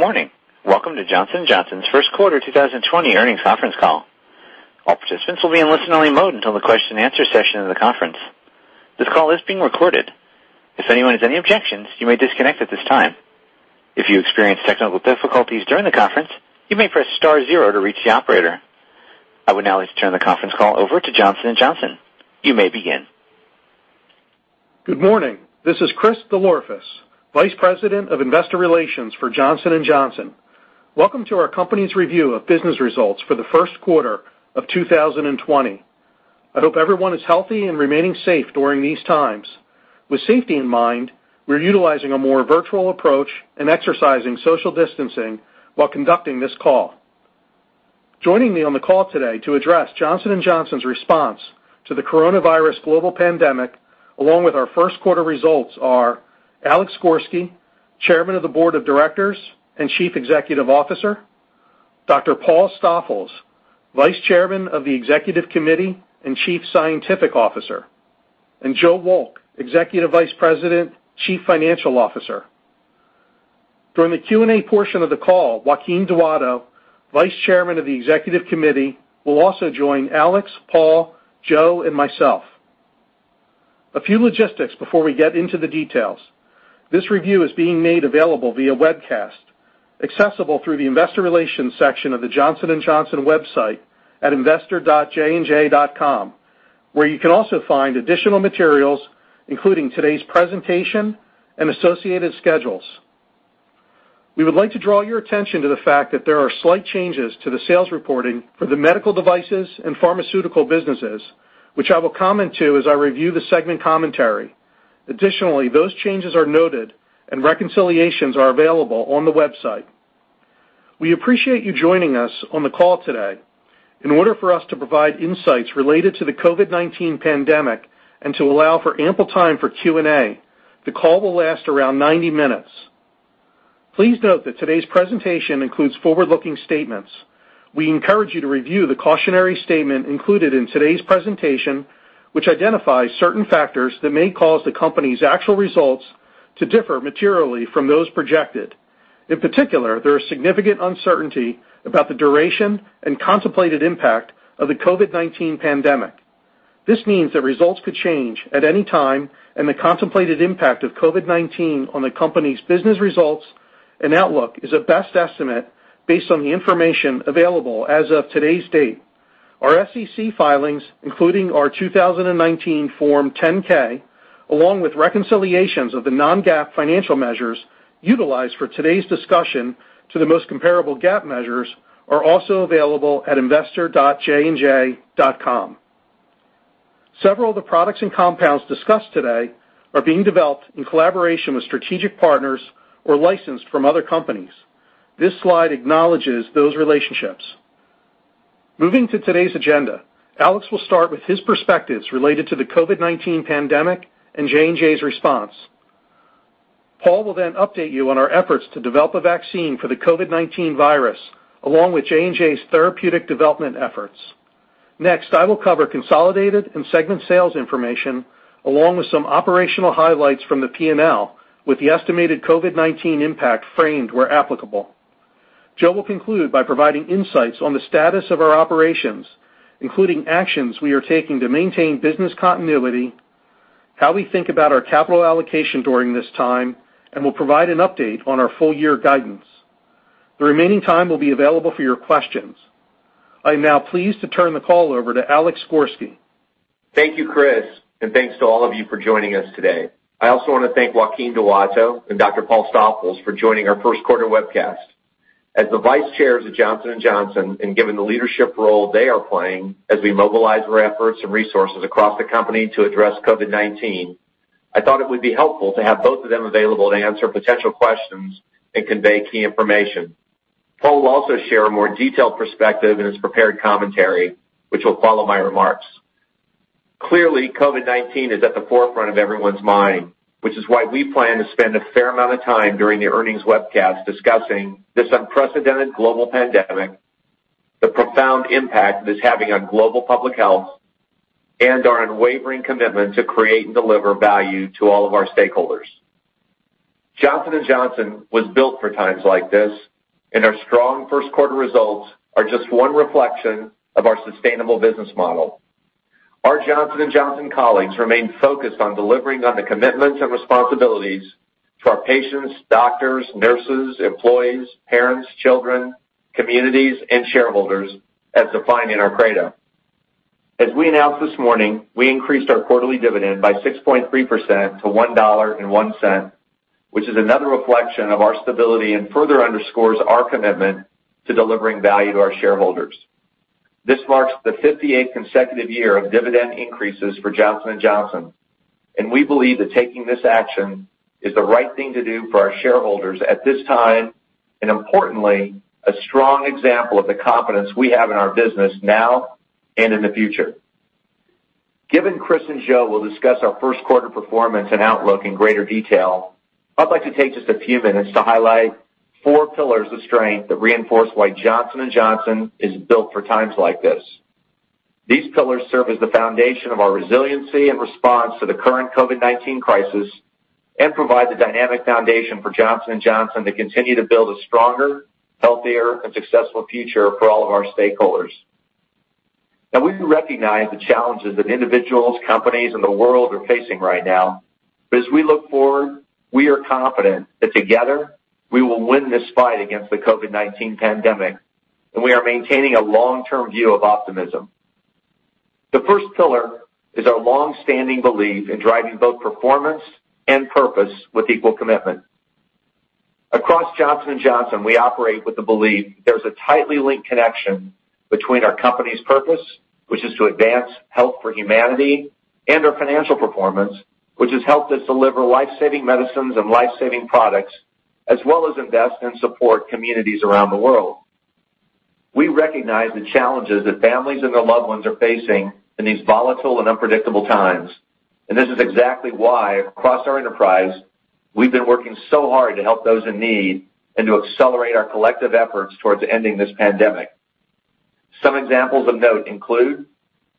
Good morning. Welcome to Johnson & Johnson's first quarter 2020 earnings conference call. All participants will be in listen-only mode until the question and answer session of the conference. This call is being recorded. If anyone has any objections, you may disconnect at this time. If you experience technical difficulties during the conference, you may press star zero to reach the operator. I would now like to turn the conference call over to Johnson & Johnson. You may begin. Good morning. This is Chris DelOrefice, Vice President of Investor Relations for Johnson & Johnson. Welcome to our company's review of business results for the first quarter of 2020. I hope everyone is healthy and remaining safe during these times. With safety in mind, we're utilizing a more virtual approach and exercising social distancing while conducting this call. Joining me on the call today to address Johnson & Johnson's response to the coronavirus global pandemic, along with our first quarter results, are Alex Gorsky, Chairman of the Board of Directors and Chief Executive Officer. Dr. Paul Stoffels, Vice Chairman of the Executive Committee and Chief Scientific Officer, and Joe Wolk, Executive Vice President, Chief Financial Officer. During the Q&A portion of the call, Joaquin Duato, Vice Chairman of the Executive Committee, will also join Alex, Paul, Joe, and myself. A few logistics before we get into the details. This review is being made available via webcast, accessible through the investor relations section of the Johnson & Johnson website at investor.jandj.com, where you can also find additional materials, including today's presentation and associated schedules. We would like to draw your attention to the fact that there are slight changes to the sales reporting for the medical devices and pharmaceutical businesses, which I will comment to as I review the segment commentary. Additionally, those changes are noted, and reconciliations are available on the website. We appreciate you joining us on the call today. In order for us to provide insights related to the COVID-19 pandemic and to allow for ample time for Q&A, the call will last around 90 minutes. Please note that today's presentation includes forward-looking statements. We encourage you to review the cautionary statement included in today's presentation, which identifies certain factors that may cause the company's actual results to differ materially from those projected. In particular, there is significant uncertainty about the duration and contemplated impact of the COVID-19 pandemic. This means that results could change at any time, and the contemplated impact of COVID-19 on the company's business results and outlook is a best estimate based on the information available as of today's date. Our SEC filings, including our 2019 Form 10-K, along with reconciliations of the non-GAAP financial measures utilized for today's discussion to the most comparable GAAP measures, are also available at investor.jandj.com. Several of the products and compounds discussed today are being developed in collaboration with strategic partners or licensed from other companies. This slide acknowledges those relationships. Moving to today's agenda, Alex will start with his perspectives related to the COVID-19 pandemic and J&J's response. Paul will then update you on our efforts to develop a vaccine for the COVID-19 virus, along with J&J's therapeutic development efforts. Next, I will cover consolidated and segment sales information, along with some operational highlights from the P&L with the estimated COVID-19 impact framed where applicable. Joe will conclude by providing insights on the status of our operations, including actions we are taking to maintain business continuity, how we think about our capital allocation during this time, and will provide an update on our full year guidance. The remaining time will be available for your questions. I am now pleased to turn the call over to Alex Gorsky. Thank you, Chris, and thanks to all of you for joining us today. I also want to thank Joaquin Duato and Dr. Paul Stoffels for joining our first quarter webcast. As the Vice Chairs of Johnson & Johnson and given the leadership role they are playing as we mobilize our efforts and resources across the company to address COVID-19, I thought it would be helpful to have both of them available to answer potential questions and convey key information. Paul will also share a more detailed perspective in his prepared commentary, which will follow my remarks. Clearly, COVID-19 is at the forefront of everyone's mind, which is why we plan to spend a fair amount of time during the earnings webcast discussing this unprecedented global pandemic, the profound impact it is having on global public health, and our unwavering commitment to create and deliver value to all of our stakeholders. Johnson & Johnson was built for times like this, and our strong first quarter results are just one reflection of our sustainable business model. Our Johnson & Johnson colleagues remain focused on delivering on the commitments and responsibilities to our patients, doctors, nurses, employees, parents, children, communities, and shareholders as defined in our credo. As we announced this morning, we increased our quarterly dividend by 6.3% to $1.01, which is another reflection of our stability and further underscores our commitment to delivering value to our shareholders. This marks the 58th consecutive year of dividend increases for Johnson & Johnson, and we believe that taking this action is the right thing to do for our shareholders at this time, and importantly, a strong example of the confidence we have in our business now and in the future. Given Chris and Joe will discuss our first quarter performance and outlook in greater detail, I'd like to take just a few minutes to highlight four pillars of strength that reinforce why Johnson & Johnson is built for times like this. These pillars serve as the foundation of our resiliency and response to the current COVID-19 crisis and provide the dynamic foundation for Johnson & Johnson to continue to build a stronger, healthier, and successful future for all of our stakeholders. Now, we recognize the challenges that individuals, companies, and the world are facing right now. As we look forward, we are confident that together, we will win this fight against the COVID-19 pandemic, and we are maintaining a long-term view of optimism. The first pillar is our longstanding belief in driving both performance and purpose with equal commitment. Across Johnson & Johnson, we operate with the belief there's a tightly linked connection between our company's purpose, which is to advance health for humanity, and our financial performance, which has helped us deliver life-saving medicines and life-saving products, as well as invest and support communities around the world. This is exactly why, across our enterprise, we've been working so hard to help those in need and to accelerate our collective efforts towards ending this pandemic. Some examples of note include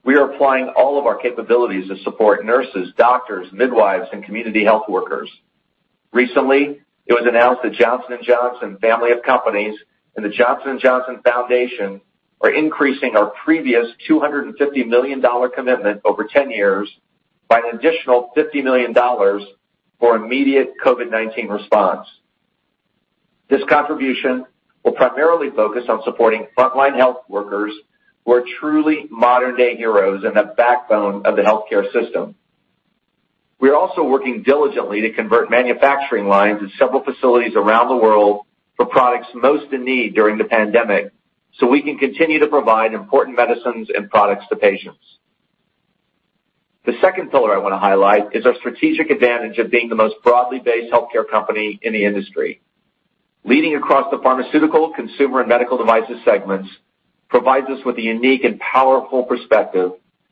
we are applying all of our capabilities to support nurses, doctors, midwives, and community health workers. Recently, it was announced that Johnson & Johnson family of companies and the Johnson & Johnson Foundation are increasing our previous $250 million commitment over 10 years by an additional $50 million for immediate COVID-19 response. This contribution will primarily focus on supporting frontline health workers who are truly modern-day heroes and the backbone of the healthcare system. We are also working diligently to convert manufacturing lines in several facilities around the world for products most in need during the pandemic, so we can continue to provide important medicines and products to patients. The second pillar I want to highlight is our strategic advantage of being the most broadly based healthcare company in the industry. Leading across the pharmaceutical, consumer, and medical devices segments provides us with a unique and powerful perspective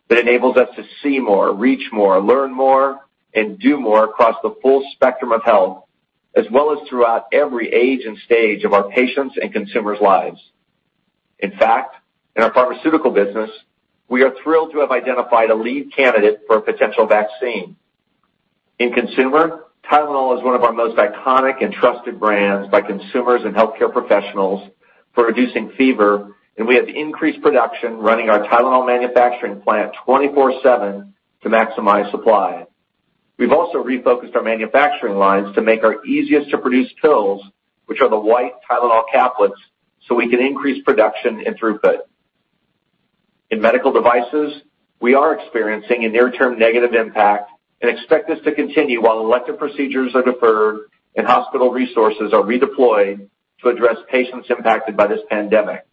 that enables us to see more, reach more, learn more, and do more across the full spectrum of health, as well as throughout every age and stage of our patients' and consumers' lives. In fact, in our pharmaceutical business, we are thrilled to have identified a lead candidate for a potential vaccine. In consumer, Tylenol is one of our most iconic and trusted brands by consumers and healthcare professionals for reducing fever, and we have increased production running our Tylenol manufacturing plant 24/7 to maximize supply. We've also refocused our manufacturing lines to make our easiest-to-produce pills, which are the white Tylenol caplets, so we can increase production and throughput. In medical devices, we are experiencing a near-term negative impact and expect this to continue while elective procedures are deferred and hospital resources are redeployed to address patients impacted by this pandemic.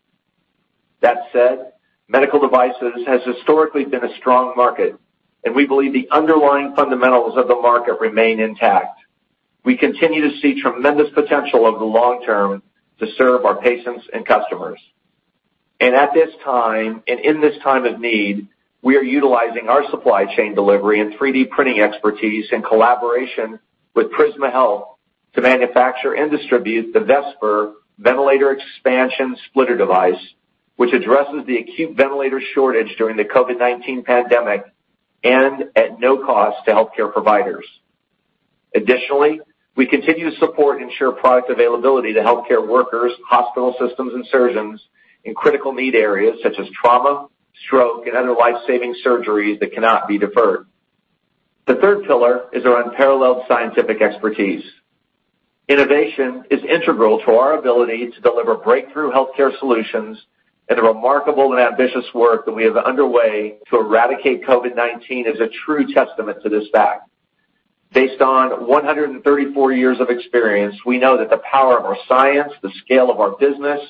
That said, medical devices has historically been a strong market, and we believe the underlying fundamentals of the market remain intact. We continue to see tremendous potential over the long term to serve our patients and customers. In this time of need, we are utilizing our supply chain delivery and 3D printing expertise in collaboration with Prisma Health to manufacture and distribute the VESper Ventilator Expansion Splitter device, which addresses the acute ventilator shortage during the COVID-19 pandemic and at no cost to healthcare providers. Additionally, we continue to support and ensure product availability to healthcare workers, hospital systems, and surgeons in critical need areas such as trauma, stroke, and other life-saving surgeries that cannot be deferred. The third pillar is our unparalleled scientific expertise. Innovation is integral to our ability to deliver breakthrough healthcare solutions, and the remarkable and ambitious work that we have underway to eradicate COVID-19 is a true testament to this fact. Based on 134 years of experience, we know that the power of our science, the scale of our business,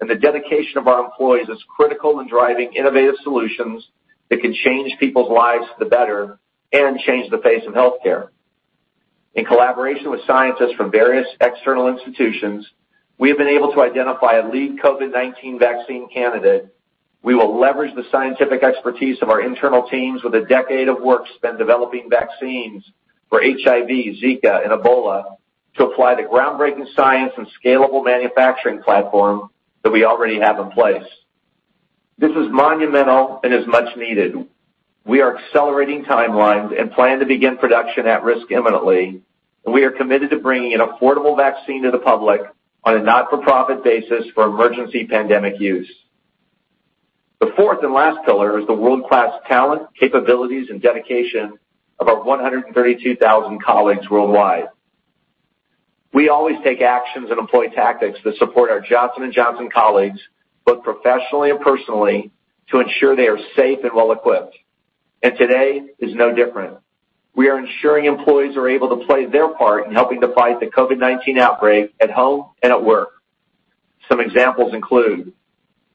and the dedication of our employees is critical in driving innovative solutions that can change people's lives for the better and change the face of healthcare. In collaboration with scientists from various external institutions, we have been able to identify a lead COVID-19 vaccine candidate. We will leverage the scientific expertise of our internal teams with a decade of work spent developing vaccines for HIV, Zika, and Ebola to apply the groundbreaking science and scalable manufacturing platform that we already have in place. This is monumental and is much needed. We are accelerating timelines and plan to begin production at-risk imminently. We are committed to bringing an affordable vaccine to the public on a not-for-profit basis for emergency pandemic use. The fourth and last pillar is the world-class talent, capabilities, and dedication of our 132,000 colleagues worldwide. We always take actions and employ tactics that support our Johnson & Johnson colleagues, both professionally and personally, to ensure they are safe and well-equipped. Today is no different. We are ensuring employees are able to play their part in helping to fight the COVID-19 outbreak at home and at work. Some examples include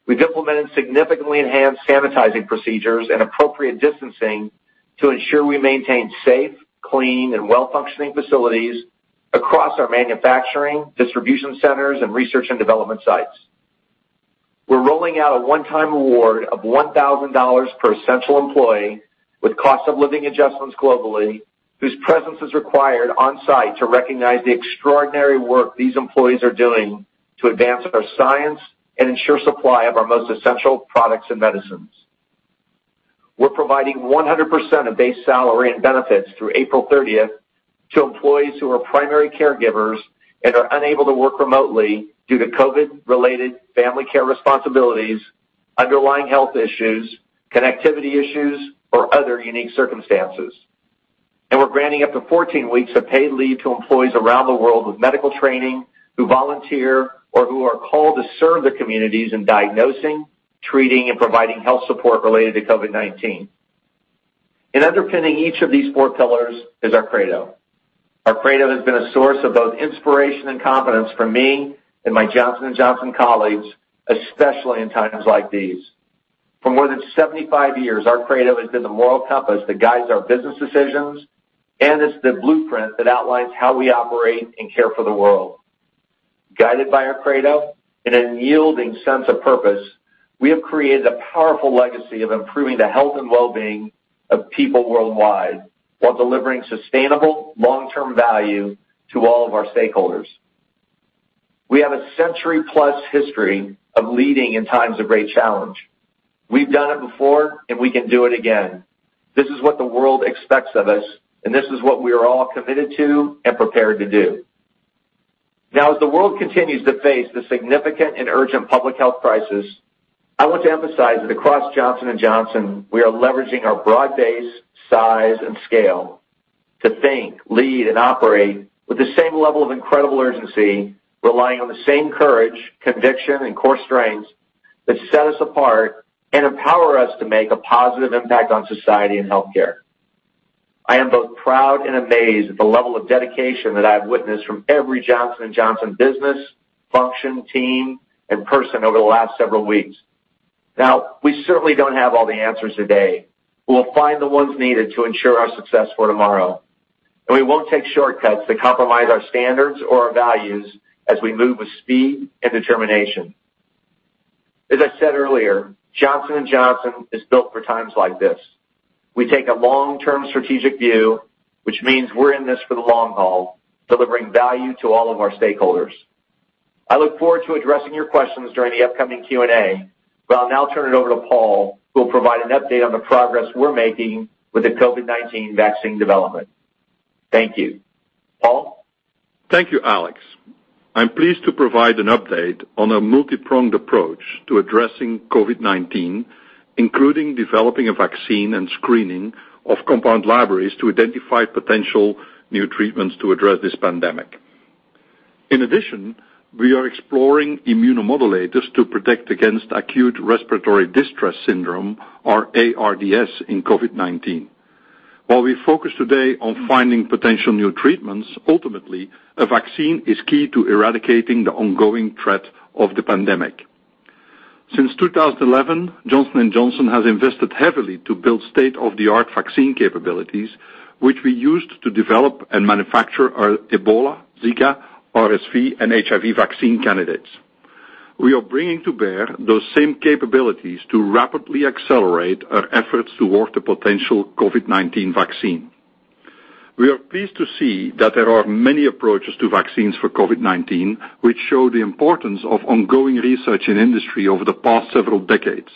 we've implemented significantly enhanced sanitizing procedures and appropriate distancing to ensure we maintain safe, clean, and well-functioning facilities across our manufacturing, distribution centers, and research and development sites. We're rolling out a one-time award of $1,000 per essential employee with cost-of-living adjustments globally, whose presence is required on-site to recognize the extraordinary work these employees are doing. To advance our science and ensure supply of our most essential products and medicines. We're providing 100% of base salary and benefits through April 30th to employees who are primary caregivers and are unable to work remotely due to COVID-related family care responsibilities, underlying health issues, connectivity issues, or other unique circumstances. We're granting up to 14 weeks of paid leave to employees around the world with medical training, who volunteer or who are called to serve their communities in diagnosing, treating, and providing health support related to COVID-19. Underpinning each of these four pillars is our credo. Our credo has been a source of both inspiration and confidence for me and my Johnson & Johnson colleagues, especially in times like these. For more than 75 years, our credo has been the moral compass that guides our business decisions and is the blueprint that outlines how we operate and care for the world. Guided by our credo and an unyielding sense of purpose, we have created a powerful legacy of improving the health and wellbeing of people worldwide while delivering sustainable long-term value to all of our stakeholders. We have a century-plus history of leading in times of great challenge. We've done it before and we can do it again. This is what the world expects of us, and this is what we are all committed to and prepared to do. As the world continues to face this significant and urgent public health crisis, I want to emphasize that across Johnson & Johnson, we are leveraging our broad base, size, and scale to think, lead, and operate with the same level of incredible urgency, relying on the same courage, conviction, and core strengths that set us apart and empower us to make a positive impact on society and healthcare. I am both proud and amazed at the level of dedication that I've witnessed from every Johnson & Johnson business, function, team, and person over the last several weeks. We certainly don't have all the answers today, but we'll find the ones needed to ensure our success for tomorrow. We won't take shortcuts that compromise our standards or our values as we move with speed and determination. As I said earlier, Johnson & Johnson is built for times like this. We take a long-term strategic view, which means we're in this for the long haul, delivering value to all of our stakeholders. I look forward to addressing your questions during the upcoming Q&A, but I'll now turn it over to Paul, who will provide an update on the progress we're making with the COVID-19 vaccine development. Thank you. Paul? Thank you, Alex. I'm pleased to provide an update on a multi-pronged approach to addressing COVID-19, including developing a vaccine and screening of compound libraries to identify potential new treatments to address this pandemic. In addition, we are exploring immunomodulators to protect against acute respiratory distress syndrome, or ARDS, in COVID-19. While we focus today on finding potential new treatments, ultimately, a vaccine is key to eradicating the ongoing threat of the pandemic. Since 2011, Johnson & Johnson has invested heavily to build state-of-the-art vaccine capabilities, which we used to develop and manufacture our Ebola, Zika, RSV, and HIV vaccine candidates. We are bringing to bear those same capabilities to rapidly accelerate our efforts towards a potential COVID-19 vaccine. We are pleased to see that there are many approaches to vaccines for COVID-19, which show the importance of ongoing research in industry over the past several decades.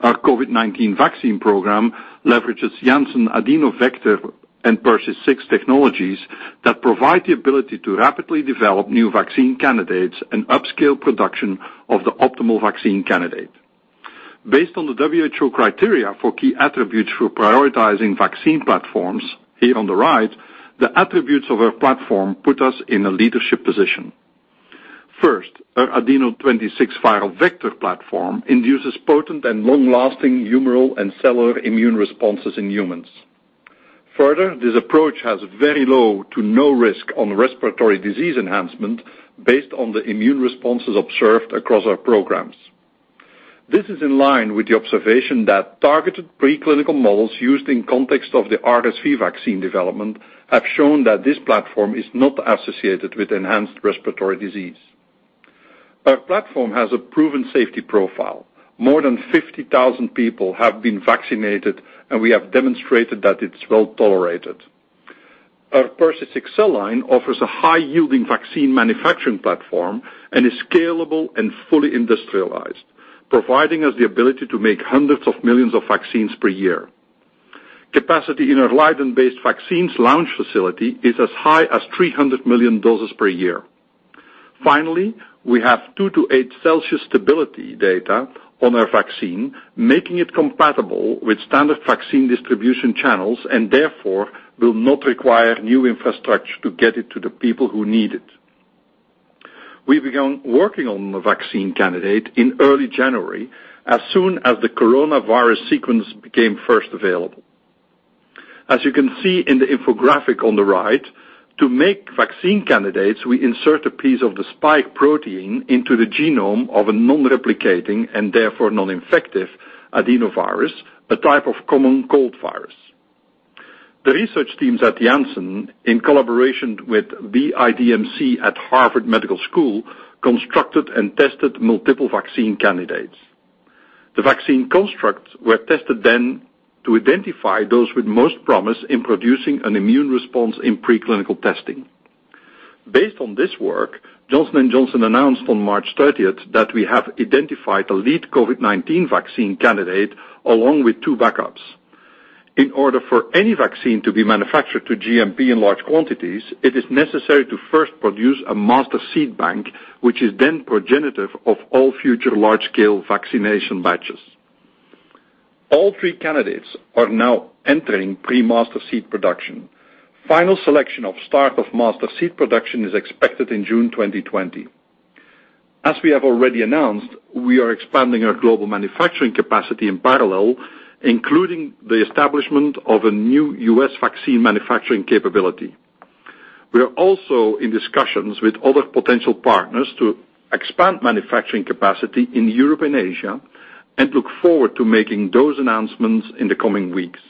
Our COVID-19 vaccine program leverages Janssen Adeno Vector and PER.C6 technologies that provide the ability to rapidly develop new vaccine candidates and upscale production of the optimal vaccine candidate. Based on the WHO criteria for key attributes for prioritizing vaccine platforms, here on the right, the attributes of our platform put us in a leadership position. First, our Adeno 26 viral vector platform induces potent and long-lasting humoral and cellular immune responses in humans. Further, this approach has very low to no risk on respiratory disease enhancement based on the immune responses observed across our programs. This is in line with the observation that targeted preclinical models used in context of the RSV vaccine development have shown that this platform is not associated with enhanced respiratory disease. Our platform has a proven safety profile. More than 50,000 people have been vaccinated, and we have demonstrated that it's well-tolerated. Our PER.C6 cell line offers a high-yielding vaccine manufacturing platform and is scalable and fully industrialized, providing us the ability to make hundreds of millions of vaccines per year. Capacity in our Leiden-based vaccines launch facility is as high as 300 million doses per year. We have 2 to 8 degrees Celsius stability data on our vaccine, making it compatible with standard vaccine distribution channels and therefore will not require new infrastructure to get it to the people who need it. We began working on the vaccine candidate in early January, as soon as the coronavirus sequence became first available. As you can see in the infographic on the right, to make vaccine candidates, we insert a piece of the spike protein into the genome of a non-replicating and therefore non-infective adenovirus, a type of common cold virus. The research teams at Janssen, in collaboration with BIDMC at Harvard Medical School, constructed and tested multiple vaccine candidates. The vaccine constructs were tested then to identify those with most promise in producing an immune response in preclinical testing. Based on this work, Johnson & Johnson announced on March 30th that we have identified a lead COVID-19 vaccine candidate, along with two backups. In order for any vaccine to be manufactured to GMP in large quantities, it is necessary to first produce a master seed bank, which is then progenitive of all future large-scale vaccination batches. All three candidates are now entering pre-master seed production. Final selection of start of master seed production is expected in June 2020. As we have already announced, we are expanding our global manufacturing capacity in parallel, including the establishment of a new U.S. vaccine manufacturing capability. We are also in discussions with other potential partners to expand manufacturing capacity in Europe and Asia and look forward to making those announcements in the coming weeks.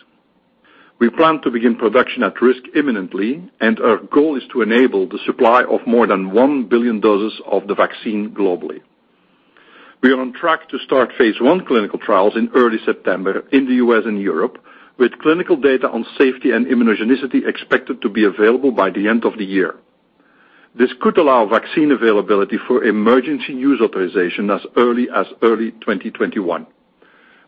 We plan to begin production at risk imminently, and our goal is to enable the supply of more than 1 billion doses of the vaccine globally. We are on track to start phase I clinical trials in early September in the U.S. and Europe, with clinical data on safety and immunogenicity expected to be available by the end of the year. This could allow vaccine availability for emergency use authorization as early as early 2021.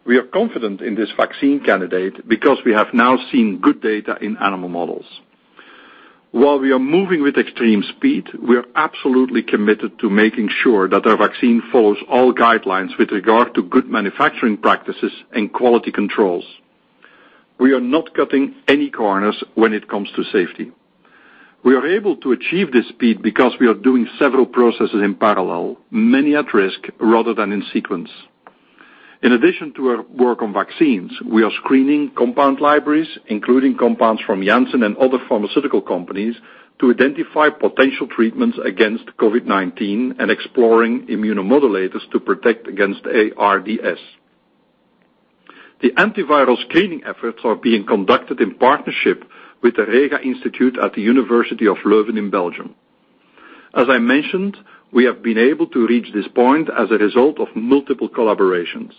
We are confident in this vaccine candidate because we have now seen good data in animal models. While we are moving with extreme speed, we are absolutely committed to making sure that our vaccine follows all guidelines with regard to good manufacturing practices and quality controls. We are not cutting any corners when it comes to safety. We are able to achieve this speed because we are doing several processes in parallel, many at risk rather than in sequence. In addition to our work on vaccines, we are screening compound libraries, including compounds from Janssen and other pharmaceutical companies, to identify potential treatments against COVID-19 and exploring immunomodulators to protect against ARDS. The antiviral screening efforts are being conducted in partnership with the Rega Institute at the University of Leuven in Belgium. As I mentioned, we have been able to reach this point as a result of multiple collaborations.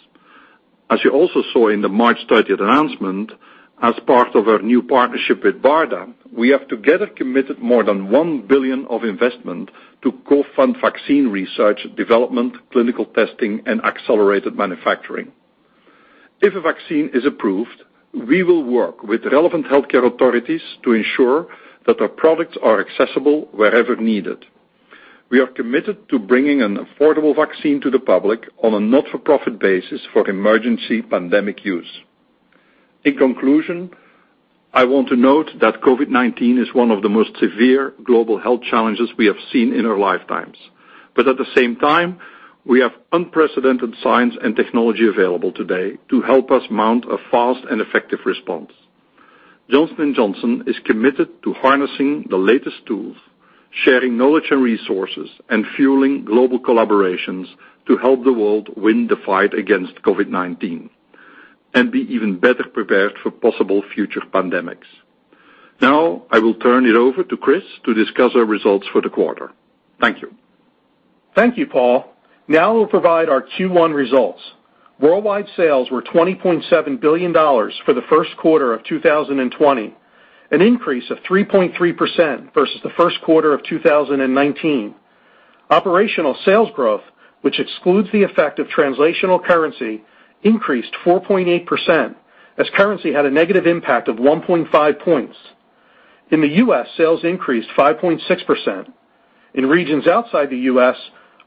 As you also saw in the March 30th announcement, as part of our new partnership with BARDA, we have together committed more than $1 billion of investment to co-fund vaccine research, development, clinical testing, and accelerated manufacturing. If a vaccine is approved, we will work with relevant healthcare authorities to ensure that our products are accessible wherever needed. We are committed to bringing an affordable vaccine to the public on a not-for-profit basis for emergency pandemic use. In conclusion, I want to note that COVID-19 is one of the most severe global health challenges we have seen in our lifetimes. At the same time, we have unprecedented science and technology available today to help us mount a fast and effective response. Johnson & Johnson is committed to harnessing the latest tools, sharing knowledge and resources, and fueling global collaborations to help the world win the fight against COVID-19 and be even better prepared for possible future pandemics. Now, I will turn it over to Chris to discuss our results for the quarter. Thank you. Thank you, Paul. We'll provide our Q1 results. Worldwide sales were $20.7 billion for the first quarter of 2020, an increase of 3.3% versus the first quarter of 2019. Operational sales growth, which excludes the effect of translational currency, increased 4.8% as currency had a negative impact of 1.5 points. In the U.S., sales increased 5.6%. In regions outside the U.S.,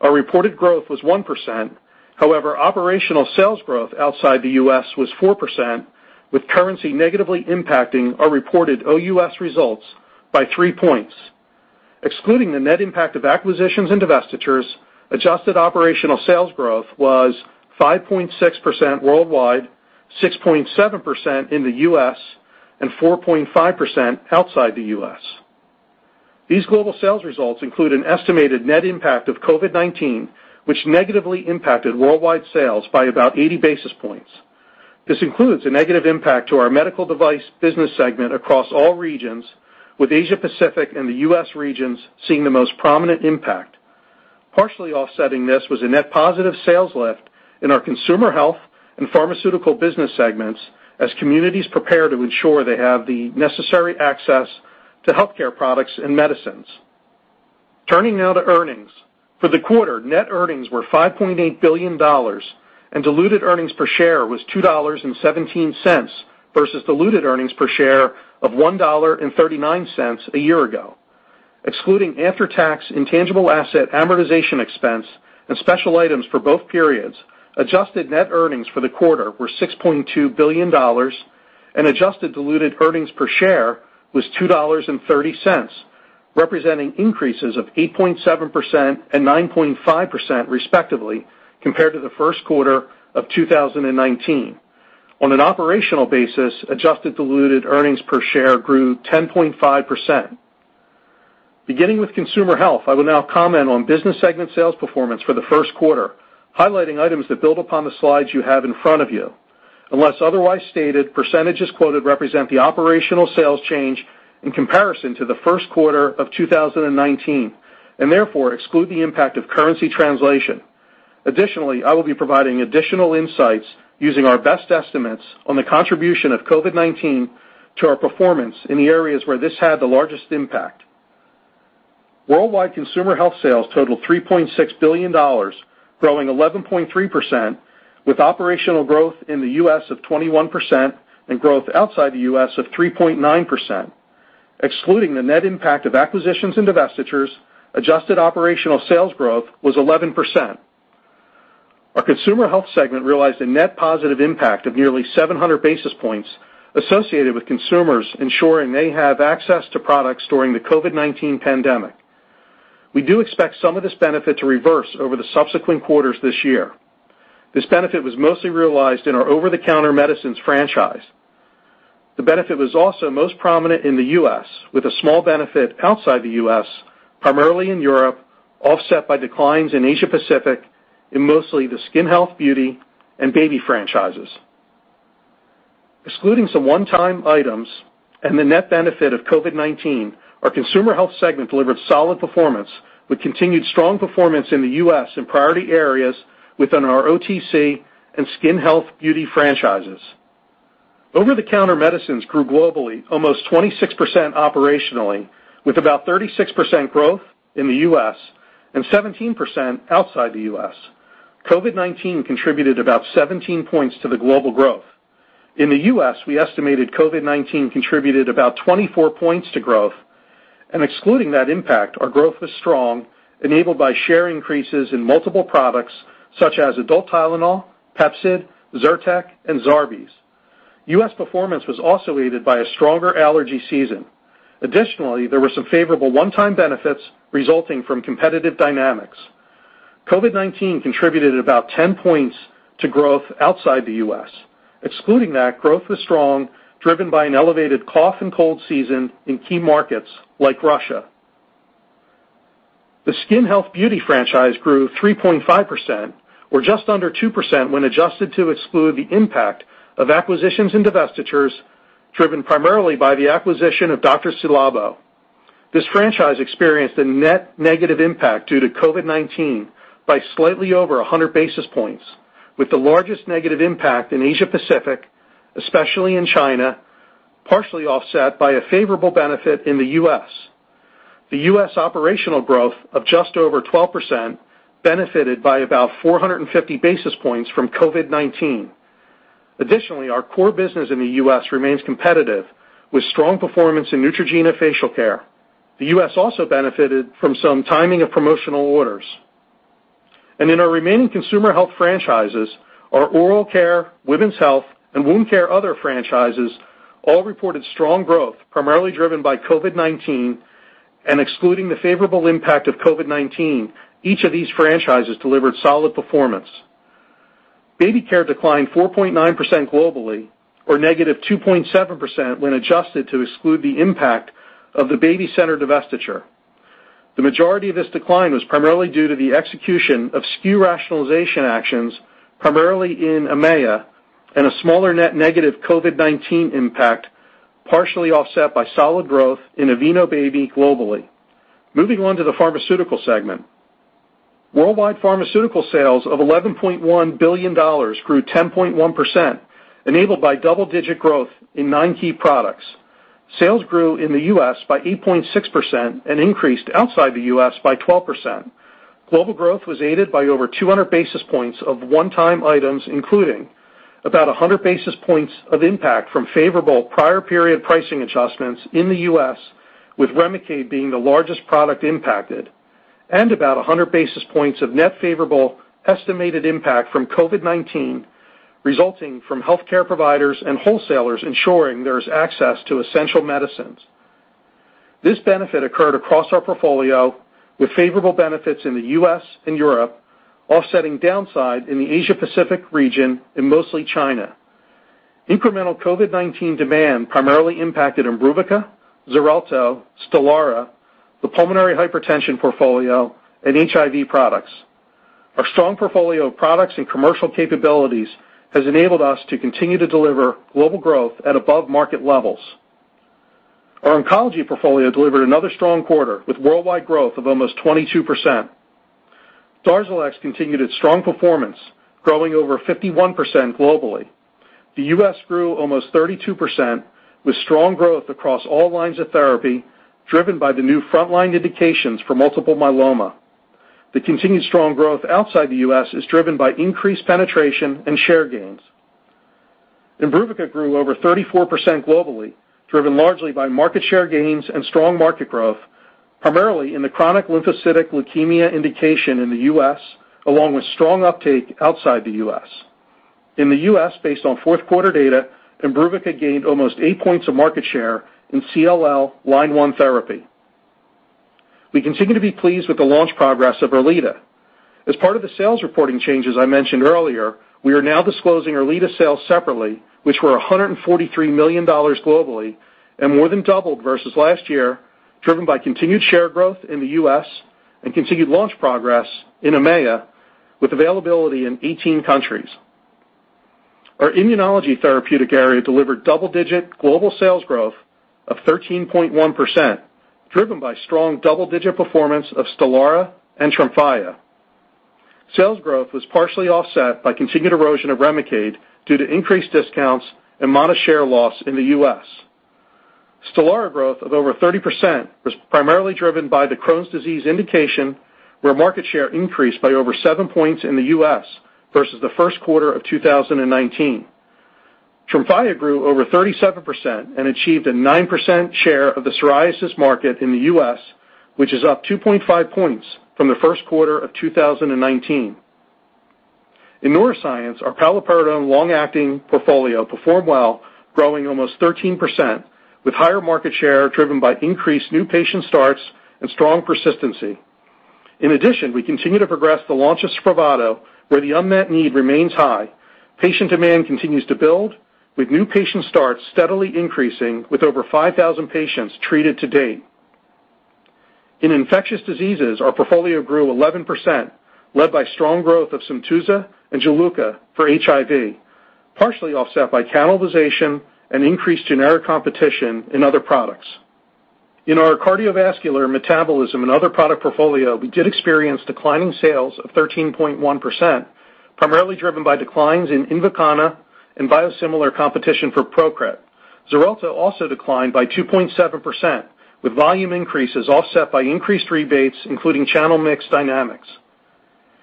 our reported growth was 1%. Operational sales growth outside the U.S. was 4%, with currency negatively impacting our reported OUS results by three points. Excluding the net impact of acquisitions and divestitures, adjusted operational sales growth was 5.6% worldwide, 6.7% in the U.S., and 4.5% outside the U.S. These global sales results include an estimated net impact of COVID-19, which negatively impacted worldwide sales by about 80 basis points. This includes a negative impact to our Medical Device business segment across all regions, with Asia-Pacific and the U.S. regions seeing the most prominent impact. Partially offsetting this was a net positive sales lift in our Consumer Health and Pharmaceutical business segments as communities prepare to ensure they have the necessary access to healthcare products and medicines. Turning now to earnings. For the quarter, net earnings were $5.8 billion and diluted earnings per share was $2.17 versus diluted earnings per share of $1.39 a year ago. Excluding after-tax intangible asset amortization expense and special items for both periods, adjusted net earnings for the quarter were $6.2 billion and adjusted diluted earnings per share was $2.30, representing increases of 8.7% and 9.5% respectively, compared to the first quarter of 2019. On an operational basis, adjusted diluted earnings per share grew 10.5%. Beginning with consumer health, I will now comment on business segment sales performance for the first quarter, highlighting items that build upon the slides you have in front of you. Unless otherwise stated, percentages quoted represent the operational sales change in comparison to the first quarter of 2019, and therefore exclude the impact of currency translation. Additionally, I will be providing additional insights using our best estimates on the contribution of COVID-19 to our performance in the areas where this had the largest impact. Worldwide consumer health sales totaled $3.6 billion, growing 11.3% with operational growth in the U.S. of 21% and growth outside the U.S. of 3.9%. Excluding the net impact of acquisitions and divestitures, adjusted operational sales growth was 11%. Our consumer health segment realized a net positive impact of nearly 700 basis points associated with consumers ensuring they have access to products during the COVID-19 pandemic. We do expect some of this benefit to reverse over the subsequent quarters this year. This benefit was mostly realized in our over-the-counter medicines franchise. The benefit was also most prominent in the U.S., with a small benefit outside the U.S., primarily in Europe, offset by declines in Asia Pacific, in mostly the skin health, beauty, and baby franchises. Excluding some one-time items and the net benefit of COVID-19, our consumer health segment delivered solid performance with continued strong performance in the U.S. in priority areas within our OTC and skin health beauty franchises. Over-the-counter medicines grew globally almost 26% operationally, with about 36% growth in the U.S. and 17% outside the U.S. COVID-19 contributed about 17 points to the global growth. In the U.S., we estimated COVID-19 contributed about 24 points to growth. Excluding that impact, our growth was strong, enabled by share increases in multiple products such as adult Tylenol, Pepcid, Zyrtec, and Zarbee’s. U.S. performance was also aided by a stronger allergy season. Additionally, there were some favorable one-time benefits resulting from competitive dynamics. COVID-19 contributed about 10 points to growth outside the U.S. Excluding that, growth was strong, driven by an elevated cough and cold season in key markets like Russia. The skin health beauty franchise grew 3.5%, or just under 2% when adjusted to exclude the impact of acquisitions and divestitures, driven primarily by the acquisition of Dr.Ci:Labo. This franchise experienced a net negative impact due to COVID-19 by slightly over 100 basis points, with the largest negative impact in Asia Pacific, especially in China, partially offset by a favorable benefit in the U.S. The U.S. operational growth of just over 12% benefited by about 450 basis points from COVID-19. Additionally, our core business in the U.S. remains competitive, with strong performance in Neutrogena Facial Care. The U.S. also benefited from some timing of promotional orders. In our remaining consumer health franchises, our oral care, women's health, and wound care other franchises all reported strong growth, primarily driven by COVID-19, and excluding the favorable impact of COVID-19, each of these franchises delivered solid performance. Baby care declined 4.9% globally or negative 2.7% when adjusted to exclude the impact of the BabyCenter divestiture. The majority of this decline was primarily due to the execution of SKU rationalization actions, primarily in EMEA, and a smaller net negative COVID-19 impact, partially offset by solid growth in Aveeno Baby globally. Moving on to the pharmaceutical segment. Worldwide pharmaceutical sales of $11.1 billion grew 10.1%, enabled by double-digit growth in nine key products. Sales grew in the U.S. by 8.6% and increased outside the U.S. by 12%. Global growth was aided by over 200 basis points of one-time items, including about 100 basis points of impact from favorable prior period pricing adjustments in the U.S., with REMICADE being the largest product impacted, and about 100 basis points of net favorable estimated impact from COVID-19, resulting from healthcare providers and wholesalers ensuring there's access to essential medicines. This benefit occurred across our portfolio with favorable benefits in the U.S. and Europe, offsetting downside in the Asia Pacific region, in mostly China. Incremental COVID-19 demand primarily impacted IMBRUVICA, XARELTO, STELARA, the pulmonary hypertension portfolio, and HIV products. Our strong portfolio of products and commercial capabilities has enabled us to continue to deliver global growth at above market levels. Our oncology portfolio delivered another strong quarter with worldwide growth of almost 22%. DARZALEX continued its strong performance, growing over 51% globally. The U.S. grew almost 32%, with strong growth across all lines of therapy, driven by the new frontline indications for multiple myeloma. The continued strong growth outside the U.S. is driven by increased penetration and share gains. IMBRUVICA grew over 34% globally, driven largely by market share gains and strong market growth, primarily in the chronic lymphocytic leukemia indication in the U.S., along with strong uptake outside the U.S. In the U.S., based on fourth quarter data, IMBRUVICA gained almost eight points of market share in CLL line one therapy. We continue to be pleased with the launch progress of ERLEADA. As part of the sales reporting changes I mentioned earlier, we are now disclosing ERLEADA sales separately, which were $143 million globally and more than doubled versus last year, driven by continued share growth in the U.S. continued launch progress in EMEA, with availability in 18 countries. Our immunology therapeutic area delivered double-digit global sales growth of 13.1%, driven by strong double-digit performance of STELARA and TREMFYA. Sales growth was partially offset by continued erosion of REMICADE due to increased discounts and modest share loss in the U.S. STELARA growth of over 30% was primarily driven by the Crohn's disease indication, where market share increased by over seven points in the U.S. versus the first quarter of 2019. TREMFYA grew over 37% and achieved a 9% share of the psoriasis market in the U.S., which is up 2.5 points from the first quarter of 2019. In neuroscience, our paliperidone long-acting portfolio performed well, growing almost 13%, with higher market share driven by increased new patient starts and strong persistency. In addition, we continue to progress the launch of SPRAVATO, where the unmet need remains high. Patient demand continues to build, with new patient starts steadily increasing with over 5,000 patients treated to date. In infectious diseases, our portfolio grew 11%, led by strong growth of SYMTUZA and JULUCA for HIV, partially offset by cannibalization and increased generic competition in other products. In our cardiovascular, metabolism, and other product portfolio, we did experience declining sales of 13.1%, primarily driven by declines in INVOKANA and biosimilar competition for PROCRIT. XARELTO also declined by 2.7%, with volume increases offset by increased rebates, including channel mix dynamics.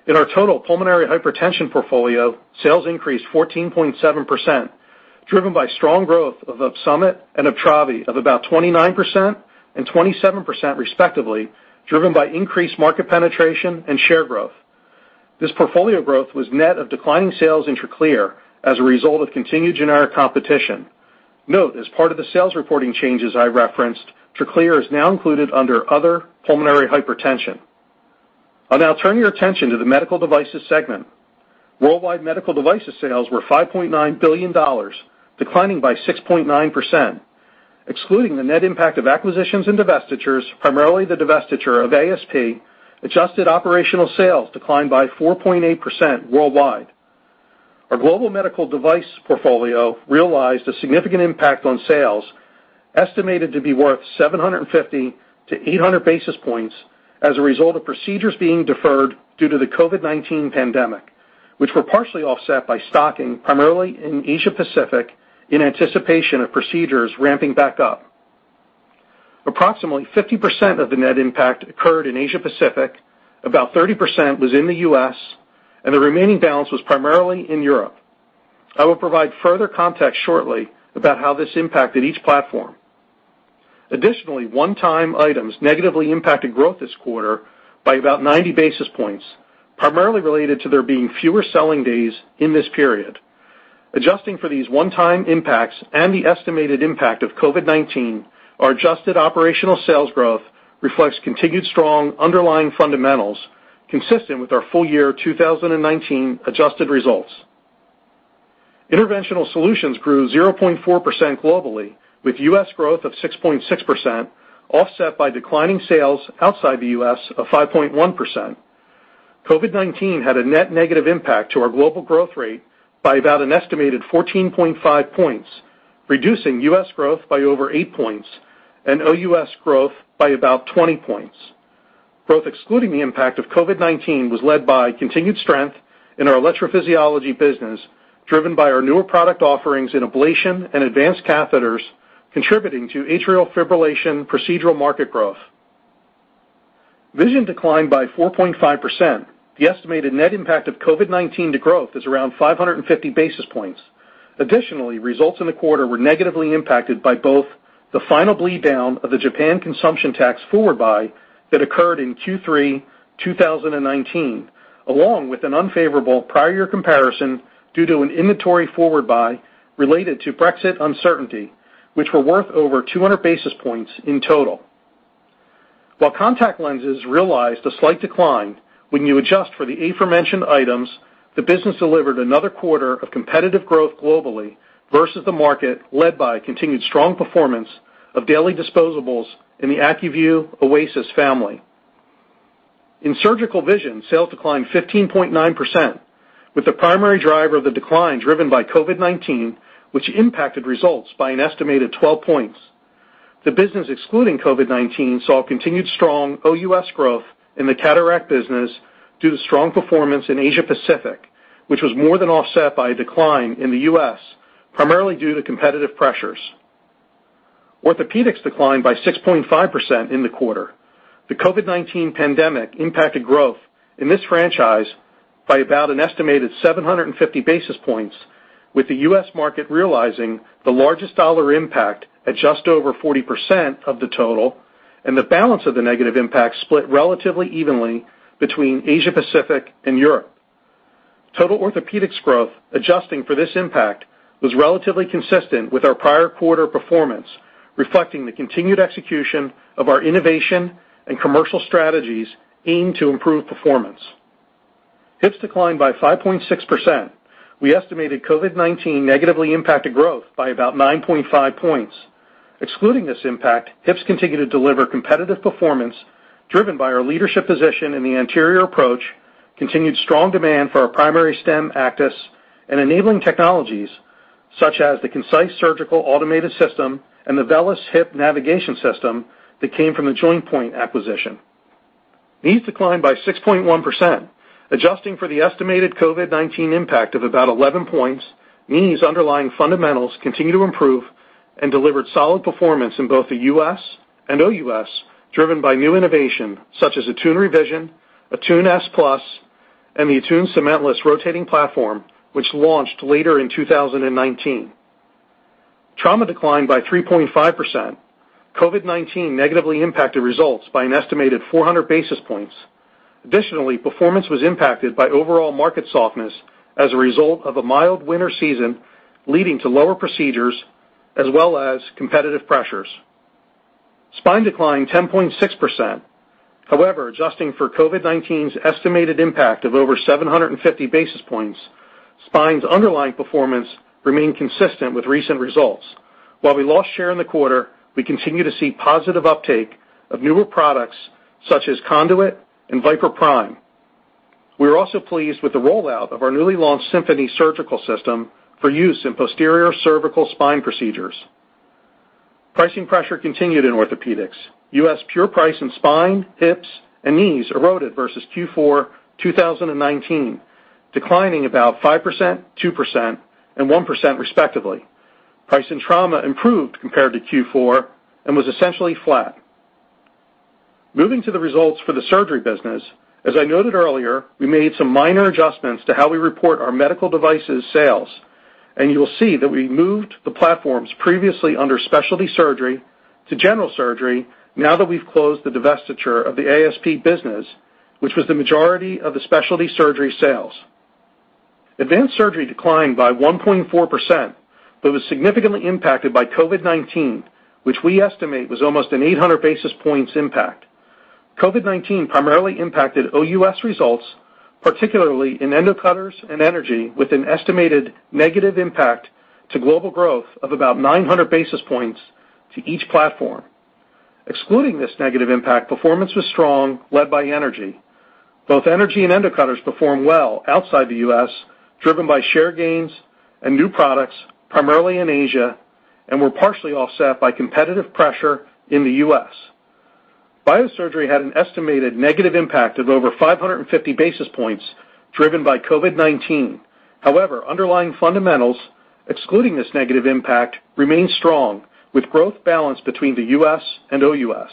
In our total pulmonary hypertension portfolio, sales increased 14.7%, driven by strong growth of OPSUMIT and UPTRAVI of about 29% and 27%, respectively, driven by increased market penetration and share growth. This portfolio growth was net of declining sales in TRACLEER as a result of continued generic competition. Note, as part of the sales reporting changes I referenced, TRACLEER is now included under other pulmonary hypertension. I'll now turn your attention to the Medical Devices segment. Worldwide Medical Devices sales were $5.9 billion, declining by 6.9%. Excluding the net impact of acquisitions and divestitures, primarily the divestiture of ASP, adjusted operational sales declined by 4.8% worldwide. Our global medical device portfolio realized a significant impact on sales, estimated to be worth 750 to 800 basis points, as a result of procedures being deferred due to the COVID-19 pandemic, which were partially offset by stocking, primarily in Asia-Pacific, in anticipation of procedures ramping back up. Approximately 50% of the net impact occurred in Asia-Pacific, about 30% was in the U.S., the remaining balance was primarily in Europe. I will provide further context shortly about how this impacted each platform. Additionally, one-time items negatively impacted growth this quarter by about 90 basis points, primarily related to there being fewer selling days in this period. Adjusting for these one-time impacts and the estimated impact of COVID-19, our adjusted operational sales growth reflects continued strong underlying fundamentals, consistent with our full-year 2019 adjusted results. Interventional solutions grew 0.4% globally, with U.S. growth of 6.6%, offset by declining sales outside the U.S. of 5.1%. COVID-19 had a net negative impact to our global growth rate by about an estimated 14.5 points, reducing U.S. growth by over 8 points and OUS growth by about 20 points. Growth excluding the impact of COVID-19 was led by continued strength in our electrophysiology business, driven by our newer product offerings in ablation and advanced catheters, contributing to atrial fibrillation procedural market growth. Vision declined by 4.5%. The estimated net impact of COVID-19 to growth is around 550 basis points. Additionally, results in the quarter were negatively impacted by both the final bleed down of the Japan consumption tax forward buy that occurred in Q3 2019, along with an unfavorable prior year comparison due to an inventory forward buy related to Brexit uncertainty, which were worth over 200 basis points in total. While contact lenses realized a slight decline when you adjust for the aforementioned items, the business delivered another quarter of competitive growth globally versus the market led by continued strong performance of daily disposables in the ACUVUE OASYS family. In surgical vision, sales declined 15.9%, with the primary driver of the decline driven by COVID-19, which impacted results by an estimated 12 points. The business excluding COVID-19 saw continued strong OUS growth in the cataract business due to strong performance in Asia-Pacific, which was more than offset by a decline in the U.S., primarily due to competitive pressures. Orthopedics declined by 6.5% in the quarter. The COVID-19 pandemic impacted growth in this franchise by about an estimated 750 basis points, with the U.S. market realizing the largest dollar impact at just over 40% of the total, and the balance of the negative impact split relatively evenly between Asia-Pacific and Europe. Total orthopedics growth adjusting for this impact was relatively consistent with our prior quarter performance, reflecting the continued execution of our innovation and commercial strategies aimed to improve performance. Hips declined by 5.6%. We estimated COVID-19 negatively impacted growth by about 9.5 points. Excluding this impact, hips continued to deliver competitive performance driven by our leadership position in the anterior approach, continued strong demand for our primary stem, ACTIS, and enabling technologies such as the KINCISE surgical automated system and the VELYS hip navigation system that came from the JointPoint acquisition. Knees declined by 6.1%. Adjusting for the estimated COVID-19 impact of about 11 points, knees' underlying fundamentals continued to improve and delivered solid performance in both the U.S. and OUS, driven by new innovation such as ATTUNE Revision, ATTUNE S+, and the ATTUNE Cementless Rotating Platform, which launched later in 2019. Trauma declined by 3.5%. COVID-19 negatively impacted results by an estimated 400 basis points. Additionally, performance was impacted by overall market softness as a result of a mild winter season, leading to lower procedures as well as competitive pressures. Spine declined 10.6%. However, adjusting for COVID-19's estimated impact of over 750 basis points, spine's underlying performance remained consistent with recent results. While we lost share in the quarter, we continue to see positive uptake of newer products such as CONDUIT and VIPER PRIME. We are also pleased with the rollout of our newly launched SYMPHONY Surgical System for use in posterior cervical spine procedures. Pricing pressure continued in orthopedics. U.S. pure price in spine, hips, and knees eroded versus Q4 2019, declining about 5%, 2%, and 1% respectively. Price in trauma improved compared to Q4 and was essentially flat. Moving to the results for the surgery business. As I noted earlier, we made some minor adjustments to how we report our medical devices sales, and you will see that we moved the platforms previously under specialty surgery to general surgery now that we've closed the divestiture of the ASP business, which was the majority of the specialty surgery sales. Advanced surgery declined by 1.4% but was significantly impacted by COVID-19, which we estimate was almost an 800 basis points impact. COVID-19 primarily impacted OUS results, particularly in endocutters and energy, with an estimated negative impact to global growth of about 900 basis points to each platform. Excluding this negative impact, performance was strong, led by energy. Both energy and endocutters performed well outside the U.S., driven by share gains and new products primarily in Asia, and were partially offset by competitive pressure in the U.S. Biosurgery had an estimated negative impact of over 550 basis points, driven by COVID-19. However, underlying fundamentals, excluding this negative impact, remained strong, with growth balanced between the U.S. and OUS.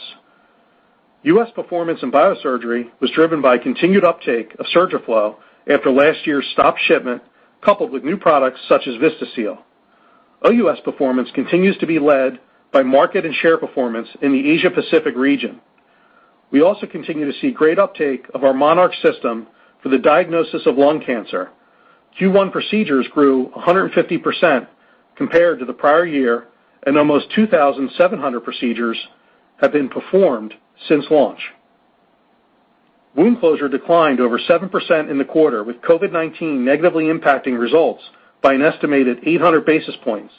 U.S. performance in biosurgery was driven by continued uptake of SURGIFLO after last year's stopped shipment, coupled with new products such as VISTASEAL. OUS performance continues to be led by market and share performance in the Asia-Pacific region. We also continue to see great uptake of our MONARCH system for the diagnosis of lung cancer. Q1 procedures grew 150% compared to the prior year, and almost 2,700 procedures have been performed since launch. Wound closure declined over 7% in the quarter, with COVID-19 negatively impacting results by an estimated 800 basis points.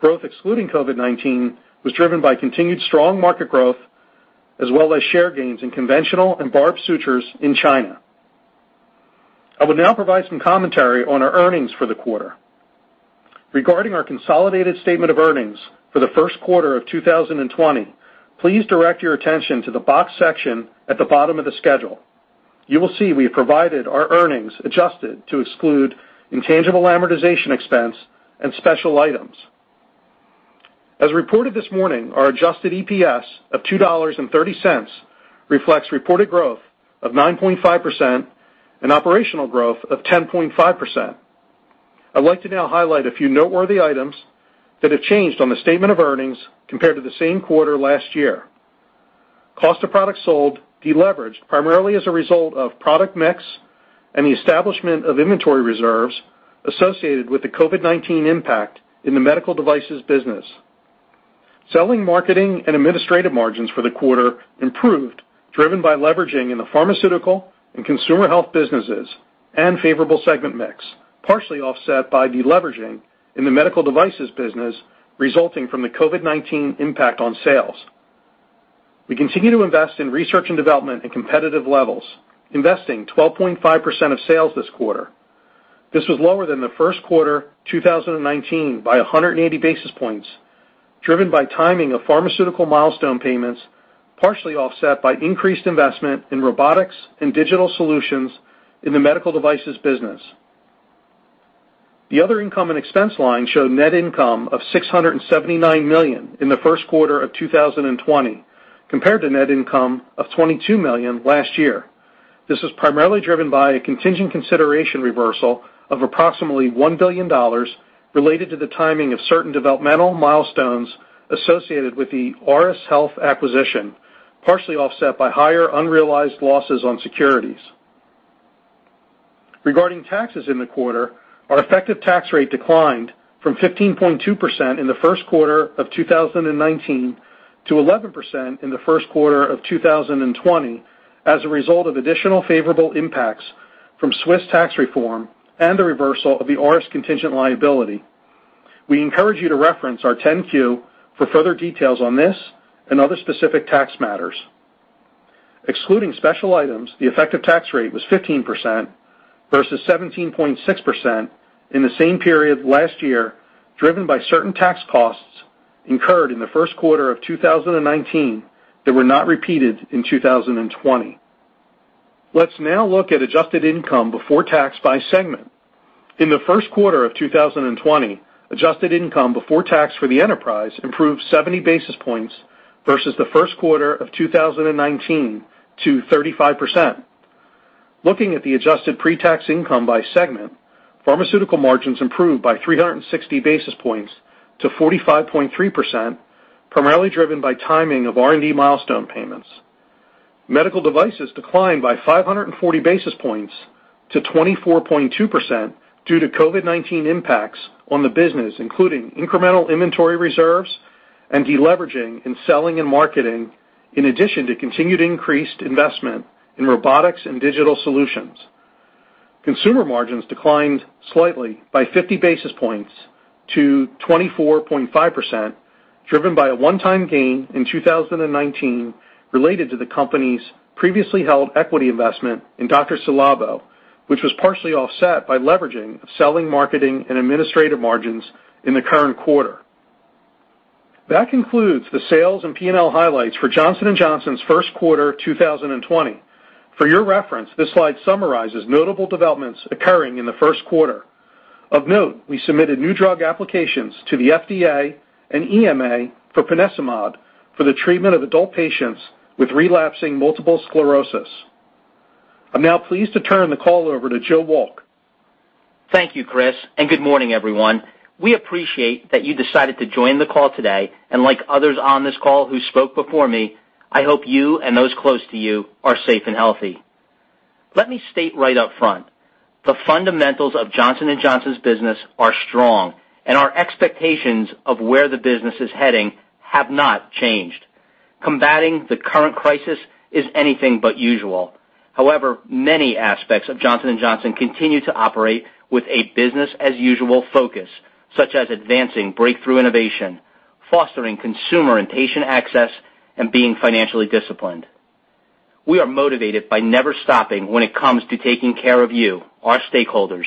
Growth excluding COVID-19 was driven by continued strong market growth as well as share gains in conventional and barbed sutures in China. I will now provide some commentary on our earnings for the quarter. Regarding our consolidated statement of earnings for the first quarter of 2020, please direct your attention to the boxed section at the bottom of the schedule. You will see we have provided our earnings adjusted to exclude intangible amortization expense and special items. As reported this morning, our adjusted EPS of $2.30 reflects reported growth of 9.5% and operational growth of 10.5%. I'd like to now highlight a few noteworthy items that have changed on the statement of earnings compared to the same quarter last year. Cost of products sold deleveraged primarily as a result of product mix and the establishment of inventory reserves associated with the COVID-19 impact in the medical devices business. Selling, marketing, and administrative margins for the quarter improved, driven by leveraging in the pharmaceutical and consumer health businesses and favorable segment mix, partially offset by deleveraging in the medical devices business resulting from the COVID-19 impact on sales. We continue to invest in research and development at competitive levels, investing 12.5% of sales this quarter. This was lower than the first quarter 2019 by 180 basis points, driven by timing of pharmaceutical milestone payments, partially offset by increased investment in robotics and digital solutions in the medical devices business. The other income and expense line showed net income of $679 million in the first quarter of 2020, compared to net income of $22 million last year. This was primarily driven by a contingent consideration reversal of approximately $1 billion related to the timing of certain developmental milestones associated with the Auris Health acquisition, partially offset by higher unrealized losses on securities. Regarding taxes in the quarter, our effective tax rate declined from 15.2% in the first quarter of 2019 to 11% in the first quarter of 2020 as a result of additional favorable impacts from Swiss tax reform and the reversal of the Auris contingent liability. We encourage you to reference our 10-Q for further details on this and other specific tax matters. Excluding special items, the effective tax rate was 15% versus 17.6% in the same period last year, driven by certain tax costs incurred in the first quarter of 2019 that were not repeated in 2020. Let's now look at adjusted income before tax by segment. In the first quarter of 2020, adjusted income before tax for the enterprise improved 70 basis points versus the first quarter of 2019 to 35%. Looking at the adjusted pre-tax income by segment, pharmaceutical margins improved by 360 basis points to 45.3%, primarily driven by timing of R&D milestone payments. Medical devices declined by 540 basis points to 24.2% due to COVID-19 impacts on the business, including incremental inventory reserves and deleveraging in selling and marketing, in addition to continued increased investment in robotics and digital solutions. Consumer margins declined slightly by 50 basis points to 24.5%, driven by a one-time gain in 2019 related to the company's previously held equity investment in Dr.Ci:Labo, which was partially offset by leveraging of selling, marketing, and administrative margins in the current quarter. That concludes the sales and P&L highlights for Johnson & Johnson's first quarter 2020. For your reference, this slide summarizes notable developments occurring in the first quarter. Of note, we submitted new drug applications to the FDA and EMA for ponesimod for the treatment of adult patients with relapsing multiple sclerosis. I'm now pleased to turn the call over to Joe Wolk. Thank you, Chris. Good morning, everyone. We appreciate that you decided to join the call today. Like others on this call who spoke before me, I hope you and those close to you are safe and healthy. Let me state right up front, the fundamentals of Johnson & Johnson's business are strong. Our expectations of where the business is heading have not changed. Combating the current crisis is anything but usual. However, many aspects of Johnson & Johnson continue to operate with a business-as-usual focus, such as advancing breakthrough innovation, fostering consumer and patient access, and being financially disciplined. We are motivated by never stopping when it comes to taking care of you, our stakeholders.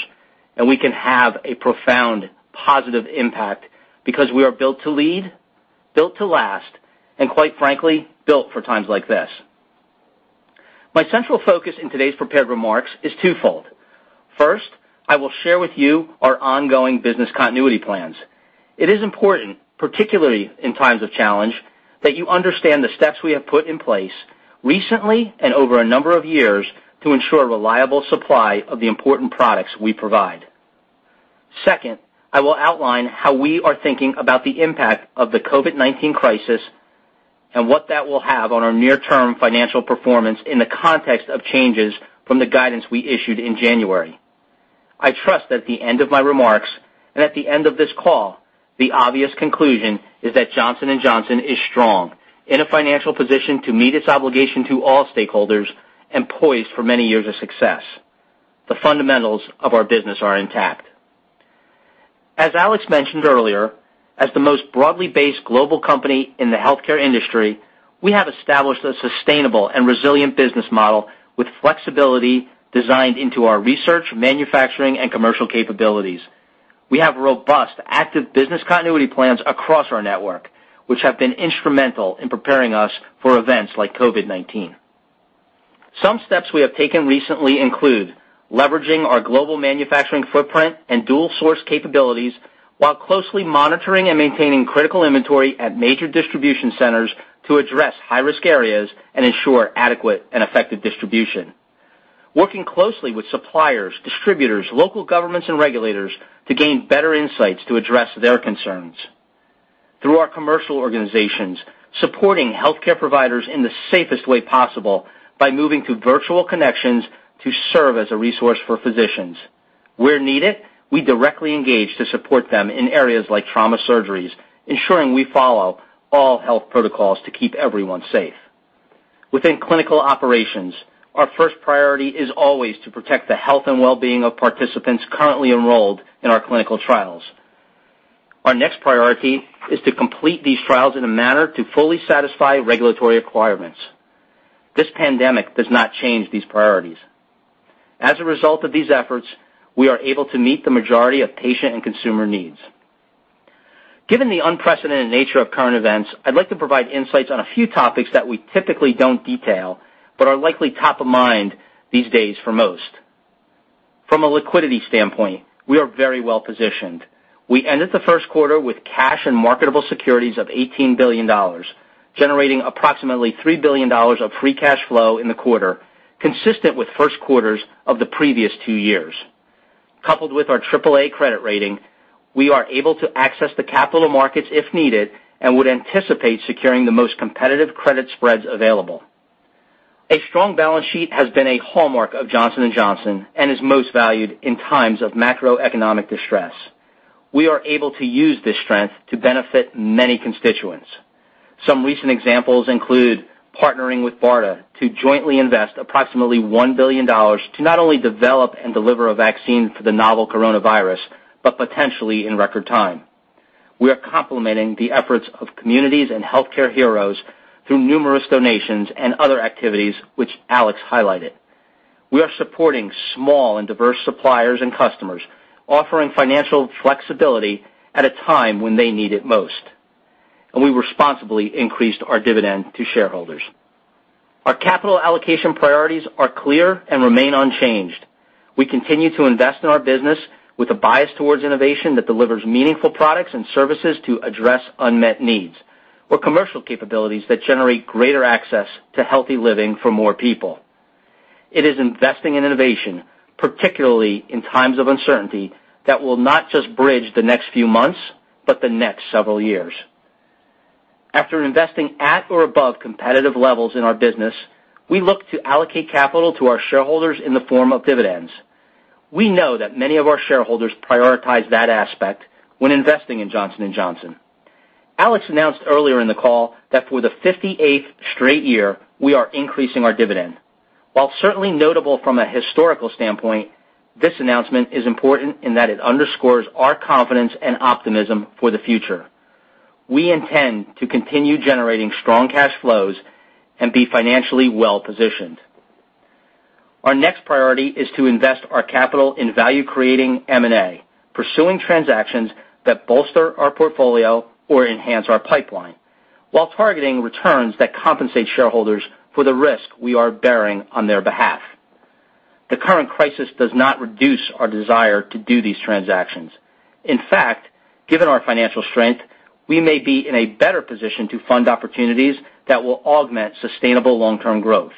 We can have a profound positive impact because we are built to lead, built to last, and quite frankly, built for times like this. My central focus in today's prepared remarks is twofold. First, I will share with you our ongoing business continuity plans. It is important, particularly in times of challenge, that you understand the steps we have put in place recently and over a number of years to ensure reliable supply of the important products we provide. Second, I will outline how we are thinking about the impact of the COVID-19 crisis and what that will have on our near-term financial performance in the context of changes from the guidance we issued in January. I trust that at the end of my remarks, and at the end of this call, the obvious conclusion is that Johnson & Johnson is strong, in a financial position to meet its obligation to all stakeholders, and poised for many years of success. The fundamentals of our business are intact. As Alex mentioned earlier, as the most broadly based global company in the healthcare industry, we have established a sustainable and resilient business model with flexibility designed into our research, manufacturing, and commercial capabilities. We have robust, active business continuity plans across our network, which have been instrumental in preparing us for events like COVID-19. Some steps we have taken recently include leveraging our global manufacturing footprint and dual source capabilities while closely monitoring and maintaining critical inventory at major distribution centers to address high-risk areas and ensure adequate and effective distribution, working closely with suppliers, distributors, local governments, and regulators to gain better insights to address their concerns, and through our commercial organizations, supporting healthcare providers in the safest way possible by moving to virtual connections to serve as a resource for physicians. Where needed, we directly engage to support them in areas like trauma surgeries, ensuring we follow all health protocols to keep everyone safe. Within clinical operations, our first priority is always to protect the health and well-being of participants currently enrolled in our clinical trials. Our next priority is to complete these trials in a manner to fully satisfy regulatory requirements. This pandemic does not change these priorities. As a result of these efforts, we are able to meet the majority of patient and consumer needs. Given the unprecedented nature of current events, I'd like to provide insights on a few topics that we typically don't detail, but are likely top of mind these days for most. From a liquidity standpoint, we are very well positioned. We ended the first quarter with cash and marketable securities of $18 billion, generating approximately $3 billion of free cash flow in the quarter, consistent with first quarters of the previous two years. Coupled with our AAA credit rating, we are able to access the capital markets if needed and would anticipate securing the most competitive credit spreads available. A strong balance sheet has been a hallmark of Johnson & Johnson and is most valued in times of macroeconomic distress. We are able to use this strength to benefit many constituents. Some recent examples include partnering with BARDA to jointly invest approximately $1 billion to not only develop and deliver a vaccine for the novel coronavirus, but potentially in record time. We are complementing the efforts of communities and healthcare heroes through numerous donations and other activities, which Alex highlighted. We are supporting small and diverse suppliers and customers, offering financial flexibility at a time when they need it most. We responsibly increased our dividend to shareholders. Our capital allocation priorities are clear and remain unchanged. We continue to invest in our business with a bias towards innovation that delivers meaningful products and services to address unmet needs, or commercial capabilities that generate greater access to healthy living for more people. It is investing in innovation, particularly in times of uncertainty, that will not just bridge the next few months, but the next several years. After investing at or above competitive levels in our business, we look to allocate capital to our shareholders in the form of dividends. We know that many of our shareholders prioritize that aspect when investing in Johnson & Johnson. Alex announced earlier in the call that for the 58th straight year, we are increasing our dividend. While certainly notable from a historical standpoint, this announcement is important in that it underscores our confidence and optimism for the future. We intend to continue generating strong cash flows and be financially well-positioned. Our next priority is to invest our capital in value-creating M&A, pursuing transactions that bolster our portfolio or enhance our pipeline while targeting returns that compensate shareholders for the risk we are bearing on their behalf. The current crisis does not reduce our desire to do these transactions. In fact, given our financial strength, we may be in a better position to fund opportunities that will augment sustainable long-term growth.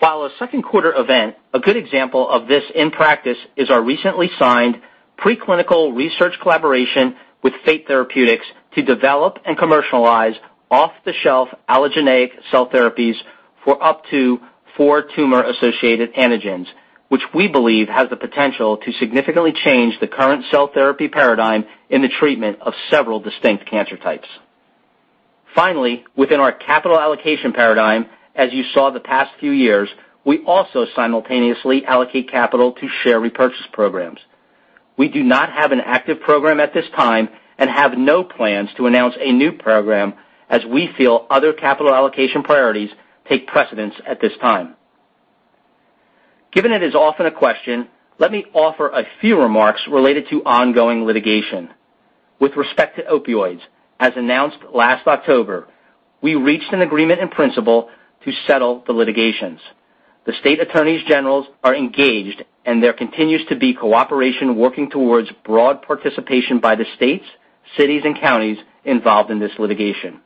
While a second quarter event, a good example of this in practice is our recently signed pre-clinical research collaboration with Fate Therapeutics to develop and commercialize off-the-shelf allogeneic cell therapies for up to four tumor-associated antigens, which we believe has the potential to significantly change the current cell therapy paradigm in the treatment of several distinct cancer types. Finally, within our capital allocation paradigm, as you saw the past few years, we also simultaneously allocate capital to share repurchase programs. We do not have an active program at this time and have no plans to announce a new program as we feel other capital allocation priorities take precedence at this time. Given it is often a question, let me offer a few remarks related to ongoing litigation. With respect to opioids, as announced last October, we reached an agreement in principle to settle the litigations. The state attorneys general are engaged. There continues to be cooperation working towards broad participation by the states, cities, and counties involved in this litigation.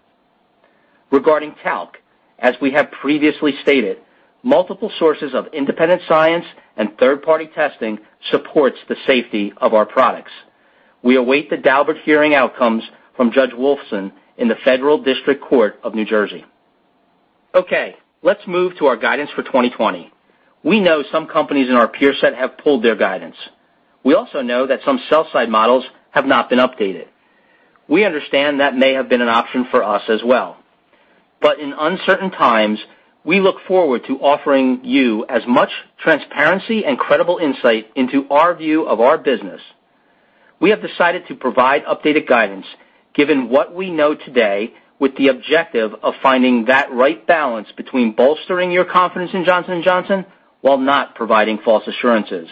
Regarding talc, as we have previously stated, multiple sources of independent science and third-party testing supports the safety of our products. We await the Daubert hearing outcomes from Judge Wolfson in the Federal District Court of New Jersey. Okay, let's move to our guidance for 2020. We know some companies in our peer set have pulled their guidance. We also know that some sell side models have not been updated. We understand that may have been an option for us as well. In uncertain times, we look forward to offering you as much transparency and credible insight into our view of our business. We have decided to provide updated guidance given what we know today with the objective of finding that right balance between bolstering your confidence in Johnson & Johnson while not providing false assurances.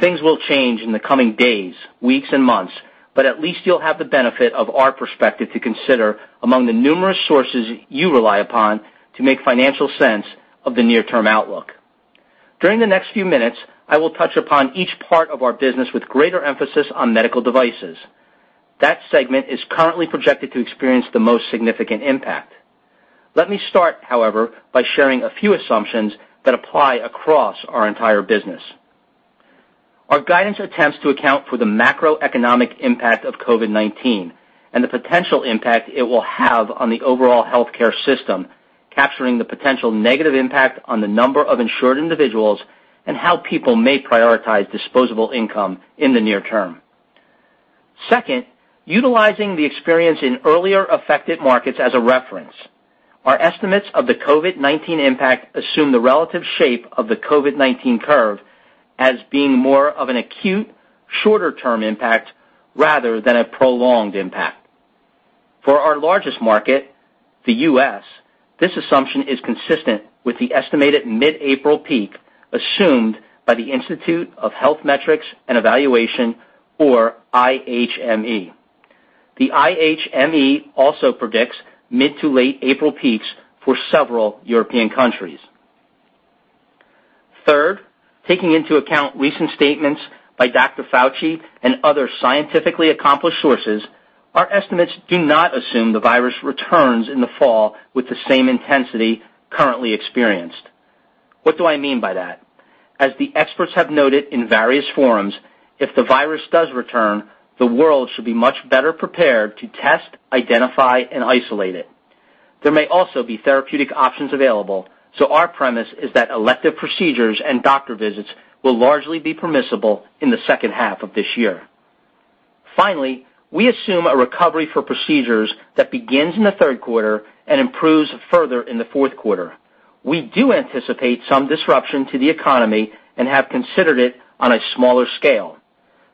Things will change in the coming days, weeks, and months, but at least you'll have the benefit of our perspective to consider among the numerous sources you rely upon to make financial sense of the near-term outlook. During the next few minutes, I will touch upon each part of our business with greater emphasis on medical devices. That segment is currently projected to experience the most significant impact. Let me start, however, by sharing a few assumptions that apply across our entire business. Our guidance attempts to account for the macroeconomic impact of COVID-19 and the potential impact it will have on the overall healthcare system, capturing the potential negative impact on the number of insured individuals and how people may prioritize disposable income in the near term. Second, utilizing the experience in earlier affected markets as a reference, our estimates of the COVID-19 impact assume the relative shape of the COVID-19 curve as being more of an acute, shorter-term impact rather than a prolonged impact. For our largest market, the U.S., this assumption is consistent with the estimated mid-April peak assumed by the Institute for Health Metrics and Evaluation or IHME. The IHME also predicts mid to late April peaks for several European countries. Third, taking into account recent statements by Dr. Fauci and other scientifically accomplished sources, our estimates do not assume the virus returns in the fall with the same intensity currently experienced. What do I mean by that? As the experts have noted in various forums, if the virus does return, the world should be much better prepared to test, identify, and isolate it. There may also be therapeutic options available. Our premise is that elective procedures and doctor visits will largely be permissible in the second half of this year. Finally, we assume a recovery for procedures that begins in the third quarter and improves further in the fourth quarter. We do anticipate some disruption to the economy and have considered it on a smaller scale.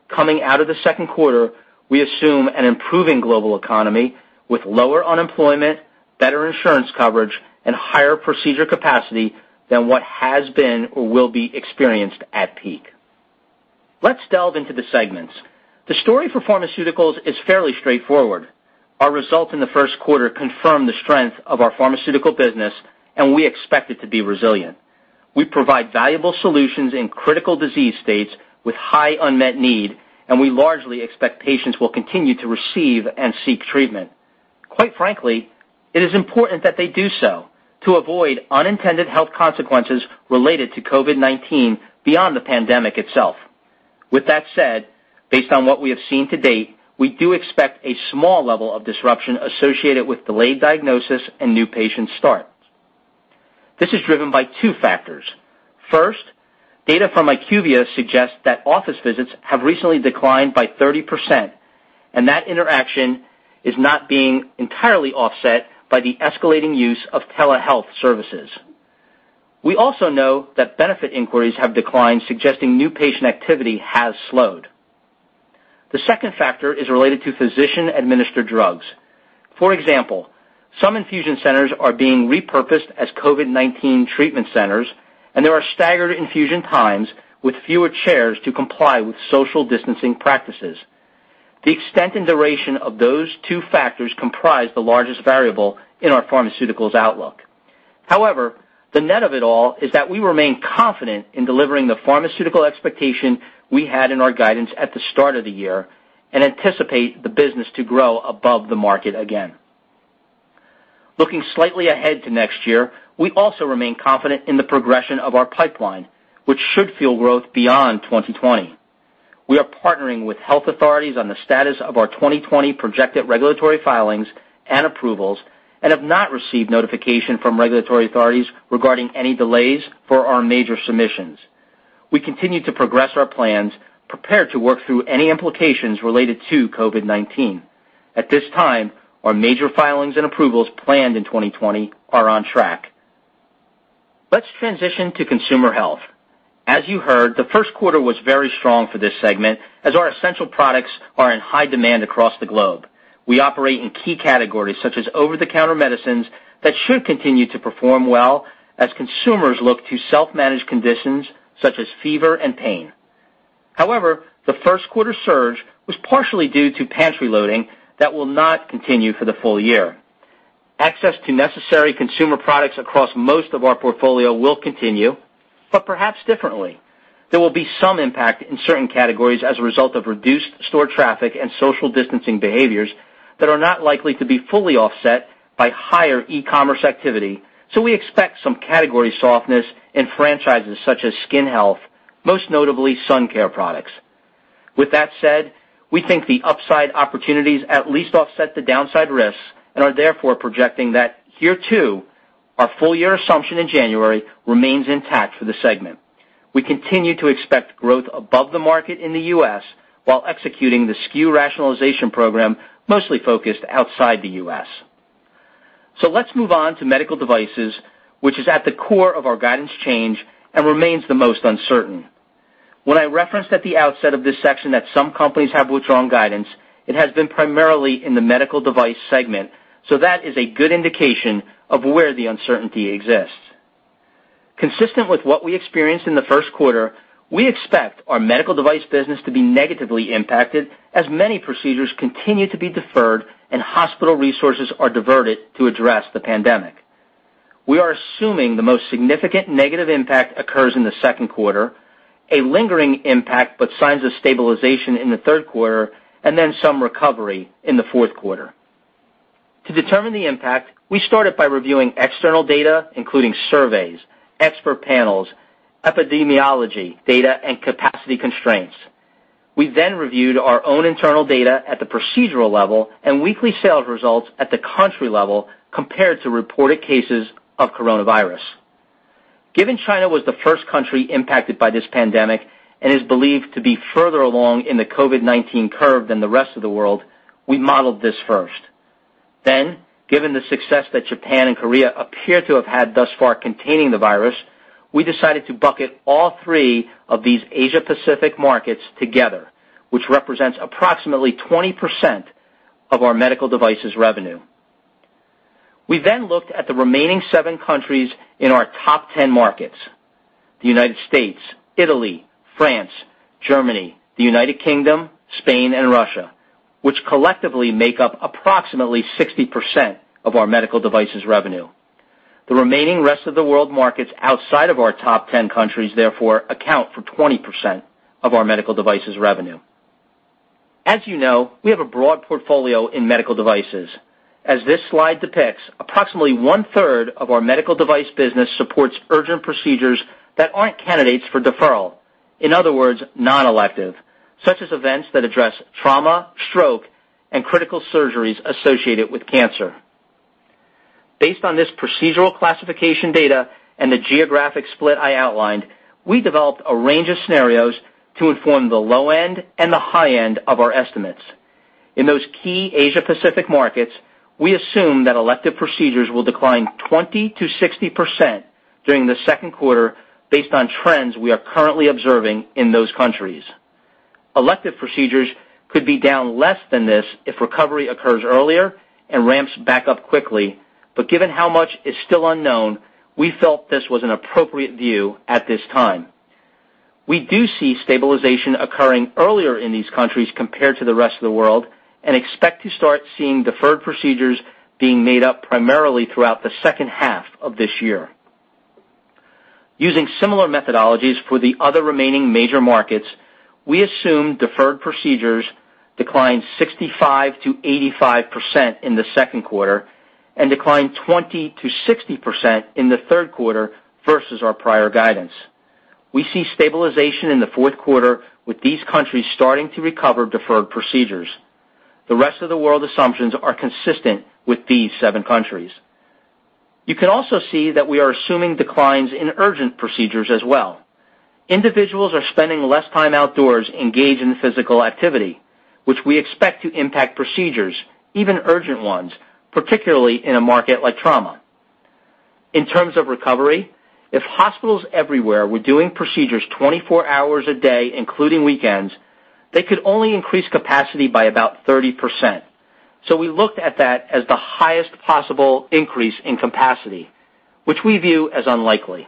Coming out of the second quarter, we assume an improving global economy with lower unemployment, better insurance coverage, and higher procedure capacity than what has been or will be experienced at peak. Let's delve into the segments. The story for pharmaceuticals is fairly straightforward. Our results in the first quarter confirm the strength of our pharmaceutical business, and we expect it to be resilient. We provide valuable solutions in critical disease states with high unmet need, and we largely expect patients will continue to receive and seek treatment. Quite frankly, it is important that they do so to avoid unintended health consequences related to COVID-19 beyond the pandemic itself. With that said, based on what we have seen to date, we do expect a small level of disruption associated with delayed diagnosis and new patient start. This is driven by two factors. First, data from IQVIA suggests that office visits have recently declined by 30%. That interaction is not being entirely offset by the escalating use of telehealth services. We also know that benefit inquiries have declined, suggesting new patient activity has slowed. The second factor is related to physician-administered drugs. For example, some infusion centers are being repurposed as COVID-19 treatment centers, and there are staggered infusion times with fewer chairs to comply with social distancing practices. The extent and duration of those two factors comprise the largest variable in our pharmaceuticals outlook. However, the net of it all is that we remain confident in delivering the pharmaceutical expectation we had in our guidance at the start of the year and anticipate the business to grow above the market again. Looking slightly ahead to next year, we also remain confident in the progression of our pipeline, which should fuel growth beyond 2020. We are partnering with health authorities on the status of our 2020 projected regulatory filings and approvals and have not received notification from regulatory authorities regarding any delays for our major submissions. We continue to progress our plans, prepared to work through any implications related to COVID-19. At this time, our major filings and approvals planned in 2020 are on track. Let's transition to Consumer Health. As you heard, the first quarter was very strong for this segment, as our essential products are in high demand across the globe. We operate in key categories, such as over-the-counter medicines that should continue to perform well as consumers look to self-manage conditions such as fever and pain. However, the first quarter surge was partially due to pantry loading that will not continue for the full year. Access to necessary consumer products across most of our portfolio will continue, but perhaps differently. There will be some impact in certain categories as a result of reduced store traffic and social distancing behaviors that are not likely to be fully offset by higher e-commerce activity. We expect some category softness in franchises such as skin health, most notably sun care products. With that said, we think the upside opportunities at least offset the downside risks and are therefore projecting that here, too, our full-year assumption in January remains intact for the segment. We continue to expect growth above the market in the U.S. while executing the SKU rationalization program, mostly focused outside the U.S. Let's move on to medical devices, which is at the core of our guidance change and remains the most uncertain. When I referenced at the outset of this section that some companies have withdrawn guidance, it has been primarily in the medical device segment. That is a good indication of where the uncertainty exists. Consistent with what we experienced in the first quarter, we expect our medical device business to be negatively impacted as many procedures continue to be deferred and hospital resources are diverted to address the pandemic. We are assuming the most significant negative impact occurs in the second quarter, a lingering impact, but signs of stabilization in the third quarter, and then some recovery in the fourth quarter. To determine the impact, we started by reviewing external data, including surveys, expert panels, epidemiology data, and capacity constraints. We then reviewed our own internal data at the procedural level and weekly sales results at the country level compared to reported cases of coronavirus. Given China was the first country impacted by this pandemic and is believed to be further along in the COVID-19 curve than the rest of the world, we modeled this first. Given the success that Japan and Korea appear to have had thus far containing the virus, we decided to bucket all three of these Asia-Pacific markets together, which represents approximately 20% of our medical devices revenue. We then looked at the remaining seven countries in our top 10 markets: the United States, Italy, France, Germany, the United Kingdom, Spain, and Russia, which collectively make up approximately 60% of our medical devices revenue. The remaining rest of the world markets outside of our top 10 countries therefore account for 20% of our medical devices revenue. As you know, we have a broad portfolio in medical devices. As this slide depicts, approximately one-third of our medical device business supports urgent procedures that aren't candidates for deferral. In other words, non-elective, such as events that address trauma, stroke, and critical surgeries associated with cancer. Based on this procedural classification data and the geographic split I outlined, we developed a range of scenarios to inform the low end and the high end of our estimates. In those key Asia-Pacific markets, we assume that elective procedures will decline 20%-60% during the second quarter based on trends we are currently observing in those countries. Elective procedures could be down less than this if recovery occurs earlier and ramps back up quickly. Given how much is still unknown, we felt this was an appropriate view at this time. We do see stabilization occurring earlier in these countries compared to the rest of the world, and expect to start seeing deferred procedures being made up primarily throughout the second half of this year. Using similar methodologies for the other remaining major markets, we assume deferred procedures declined 65%-85% in the second quarter and declined 20%-60% in the third quarter versus our prior guidance. We see stabilization in the fourth quarter with these countries starting to recover deferred procedures. The rest of the world assumptions are consistent with these seven countries. You can also see that we are assuming declines in urgent procedures as well. Individuals are spending less time outdoors engaged in physical activity, which we expect to impact procedures, even urgent ones, particularly in a market like trauma. In terms of recovery, if hospitals everywhere were doing procedures 24 hours a day, including weekends, they could only increase capacity by about 30%. We looked at that as the highest possible increase in capacity, which we view as unlikely.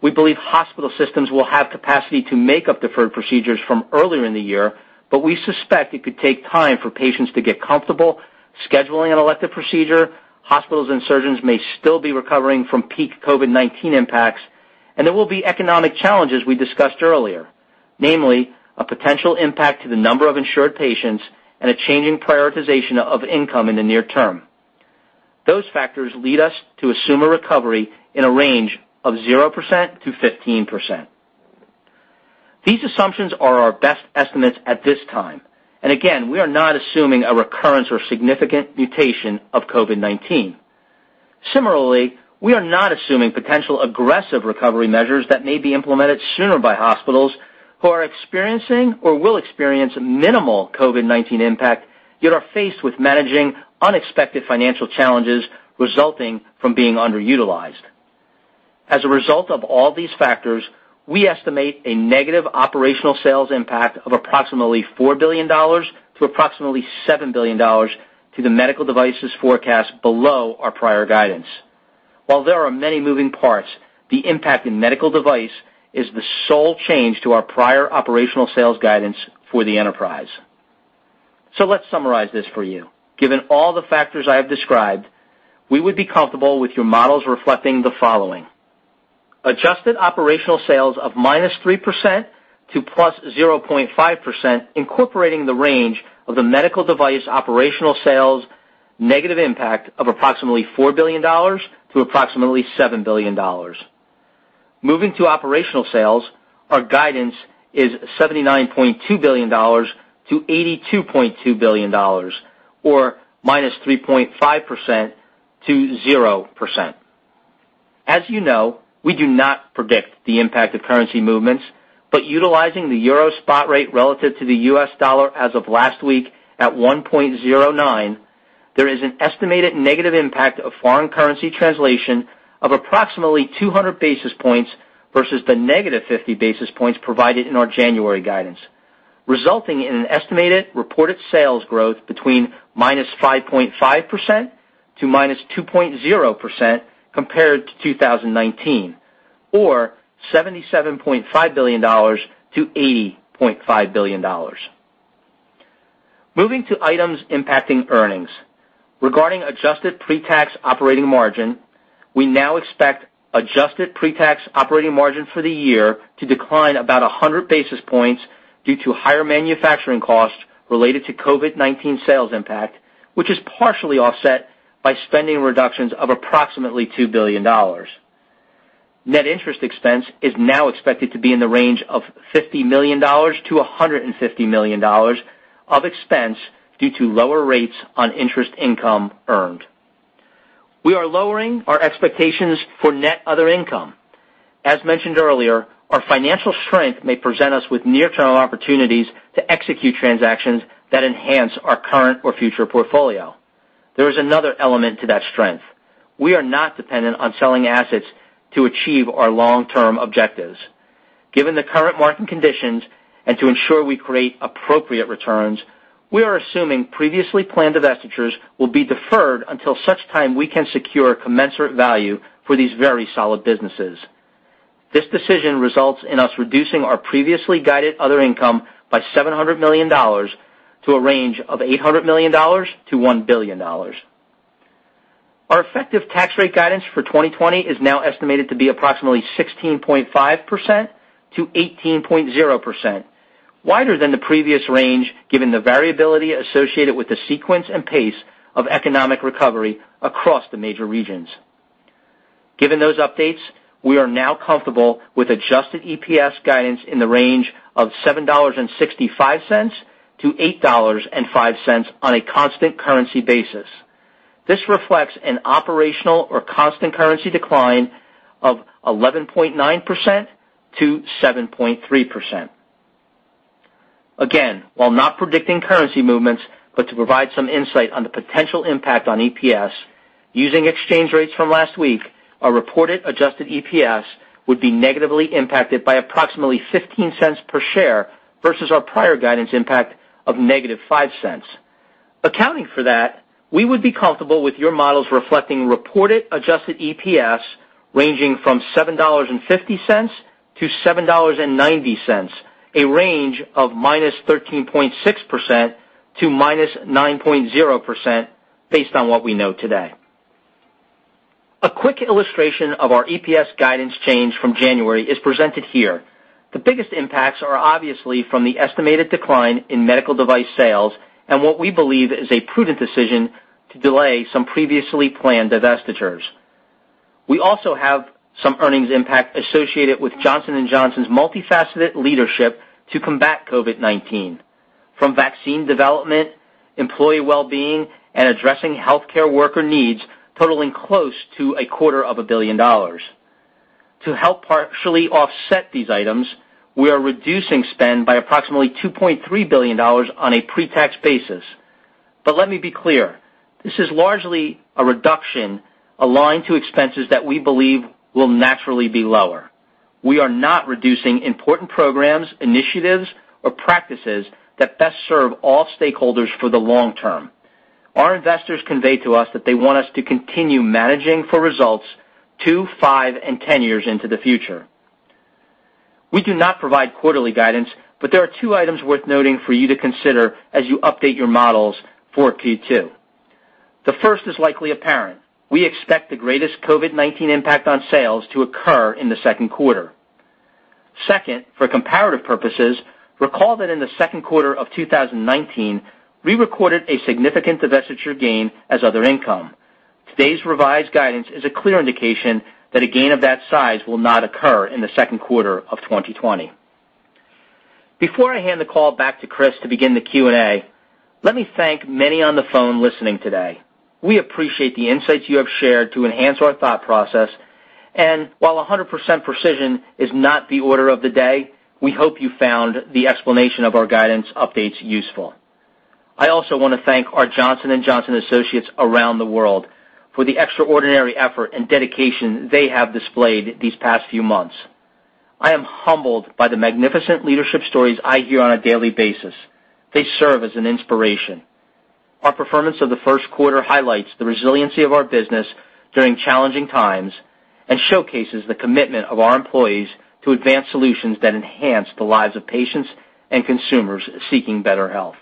We believe hospital systems will have capacity to make up deferred procedures from earlier in the year, but we suspect it could take time for patients to get comfortable scheduling an elective procedure, hospitals and surgeons may still be recovering from peak COVID-19 impacts, and there will be economic challenges we discussed earlier, namely, a potential impact to the number of insured patients and a change in prioritization of income in the near term. Those factors lead us to assume a recovery in a range of 0%-15%. These assumptions are our best estimates at this time. Again, we are not assuming a recurrence or significant mutation of COVID-19. Similarly, we are not assuming potential aggressive recovery measures that may be implemented sooner by hospitals who are experiencing or will experience minimal COVID-19 impact, yet are faced with managing unexpected financial challenges resulting from being underutilized. As a result of all these factors, we estimate a negative operational sales impact of approximately $4 billion to approximately $7 billion to the medical devices forecast below our prior guidance. While there are many moving parts, the impact in medical device is the sole change to our prior operational sales guidance for the enterprise. Let's summarize this for you. Given all the factors I have described, we would be comfortable with your models reflecting the following: adjusted operational sales of -3% to +0.5%, incorporating the range of the medical device operational sales negative impact of approximately $4 billion to approximately $7 billion. Moving to operational sales, our guidance is $79.2 billion to $82.2 billion, or -3.5% to 0%. As you know, we do not predict the impact of currency movements, but utilizing the EUR spot rate relative to the U.S. dollar as of last week at 1.09, there is an estimated negative impact of foreign currency translation of approximately 200 basis points versus the -50 basis points provided in our January guidance, resulting in an estimated reported sales growth between -5.5% to -2.0% compared to 2019, or $77.5 billion to $80.5 billion. Moving to items impacting earnings. Regarding adjusted pre-tax operating margin, we now expect adjusted pre-tax operating margin for the year to decline about 100 basis points due to higher manufacturing costs related to COVID-19 sales impact, which is partially offset by spending reductions of approximately $2 billion. Net interest expense is now expected to be in the range of $50 million-$150 million of expense due to lower rates on interest income earned. We are lowering our expectations for net other income. As mentioned earlier, our financial strength may present us with near-term opportunities to execute transactions that enhance our current or future portfolio. There is another element to that strength. We are not dependent on selling assets to achieve our long-term objectives. Given the current market conditions and to ensure we create appropriate returns, we are assuming previously planned divestitures will be deferred until such time we can secure commensurate value for these very solid businesses. This decision results in us reducing our previously guided other income by $700 million to a range of $800 million-$1 billion. Our effective tax rate guidance for 2020 is now estimated to be approximately 16.5%-18.0%, wider than the previous range, given the variability associated with the sequence and pace of economic recovery across the major regions. Given those updates, we are now comfortable with adjusted EPS guidance in the range of $7.65-$8.05 on a constant currency basis. This reflects an operational or constant currency decline of 11.9%-7.3%. Again, while not predicting currency movements, but to provide some insight on the potential impact on EPS, using exchange rates from last week, our reported adjusted EPS would be negatively impacted by approximately $0.15 per share versus our prior guidance impact of -$0.05. Accounting for that, we would be comfortable with your models reflecting reported adjusted EPS ranging from $7.50-$7.90, a range of -13.6% to -9.0% based on what we know today. A quick illustration of our EPS guidance change from January is presented here. The biggest impacts are obviously from the estimated decline in medical device sales and what we believe is a prudent decision to delay some previously planned divestitures. We also have some earnings impact associated with Johnson & Johnson's multifaceted leadership to combat COVID-19, from vaccine development, employee well-being, and addressing healthcare worker needs totaling close to a quarter of a billion dollars. To help partially offset these items, we are reducing spend by approximately $2.3 billion on a pre-tax basis. Let me be clear, this is largely a reduction aligned to expenses that we believe will naturally be lower. We are not reducing important programs, initiatives, or practices that best serve all stakeholders for the long term. Our investors convey to us that they want us to continue managing for results two, five, and 10 years into the future. We do not provide quarterly guidance, but there are two items worth noting for you to consider as you update your models for Q2. The first is likely apparent. We expect the greatest COVID-19 impact on sales to occur in the second quarter. Second, for comparative purposes, recall that in the second quarter of 2019, we recorded a significant divestiture gain as other income. Today's revised guidance is a clear indication that a gain of that size will not occur in the second quarter of 2020. Before I hand the call back to Chris to begin the Q&A, let me thank many on the phone listening today. We appreciate the insights you have shared to enhance our thought process. While 100% precision is not the order of the day, we hope you found the explanation of our guidance updates useful. I also want to thank our Johnson & Johnson associates around the world for the extraordinary effort and dedication they have displayed these past few months. I am humbled by the magnificent leadership stories I hear on a daily basis. They serve as an inspiration. Our performance of the first quarter highlights the resiliency of our business during challenging times and showcases the commitment of our employees to advance solutions that enhance the lives of patients and consumers seeking better health.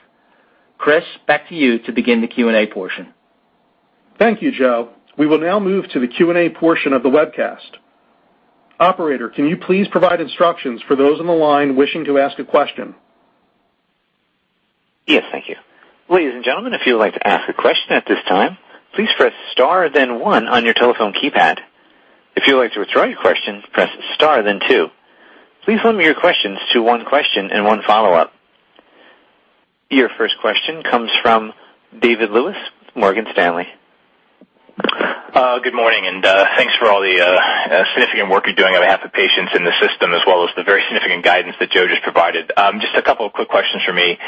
Chris, back to you to begin the Q&A portion. Thank you, Joe. We will now move to the Q&A portion of the webcast. Operator, can you please provide instructions for those on the line wishing to ask a question? Yes, thank you. Ladies and gentlemen, if you would like to ask a question at this time, please press star then one on your telephone keypad. If you would like to withdraw your question, press star then two. Please limit your questions to one question and one follow-up. Your first question comes from David Lewis, Morgan Stanley. Good morning. Thanks for all the significant work you're doing on behalf of patients in the system as well as the very significant guidance that Joe just provided. Just a couple of quick questions from me.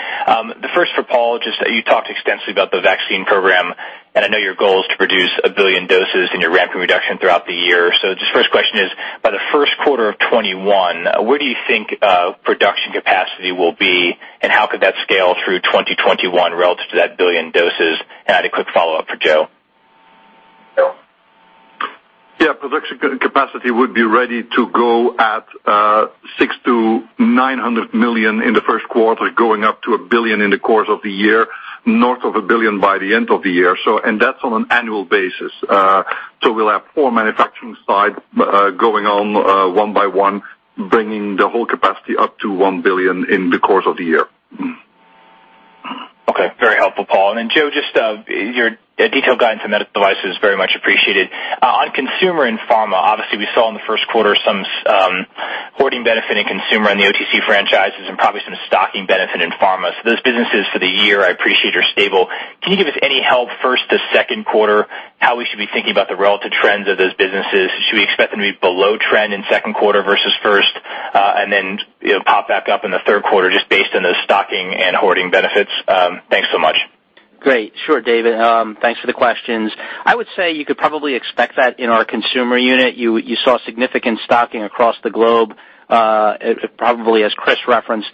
The first for Paul, just that you talked extensively about the vaccine program. I know your goal is to produce 1 billion doses and you're ramping reduction throughout the year. Just first question is, by the first quarter of 2021, where do you think production capacity will be? How could that scale through 2021 relative to that 1 billion doses? I had a quick follow-up for Joe. Yeah. Production capacity would be ready to go at 600 million to 900 million in the first quarter, going up to 1 billion in the course of the year, north of 1 billion by the end of the year. That's on an annual basis. We'll have four manufacturing sites going on one by one, bringing the whole capacity up to 1 billion in the course of the year. Okay. Very helpful, Paul. Joe, just your detailed guidance on medical devices, very much appreciated. On consumer and pharma, obviously we saw in the first quarter some hoarding benefit in consumer on the OTC franchises and probably some stocking benefit in pharma. Those businesses for the year, I appreciate, are stable. Can you give us any help first to second quarter, how we should be thinking about the relative trends of those businesses? Should we expect them to be below trend in second quarter versus first, and then pop back up in the third quarter just based on the stocking and hoarding benefits? Thanks so much. Great. Sure, David. Thanks for the questions. I would say you could probably expect that in our consumer unit. You saw significant stocking across the globe. Probably as Chris referenced,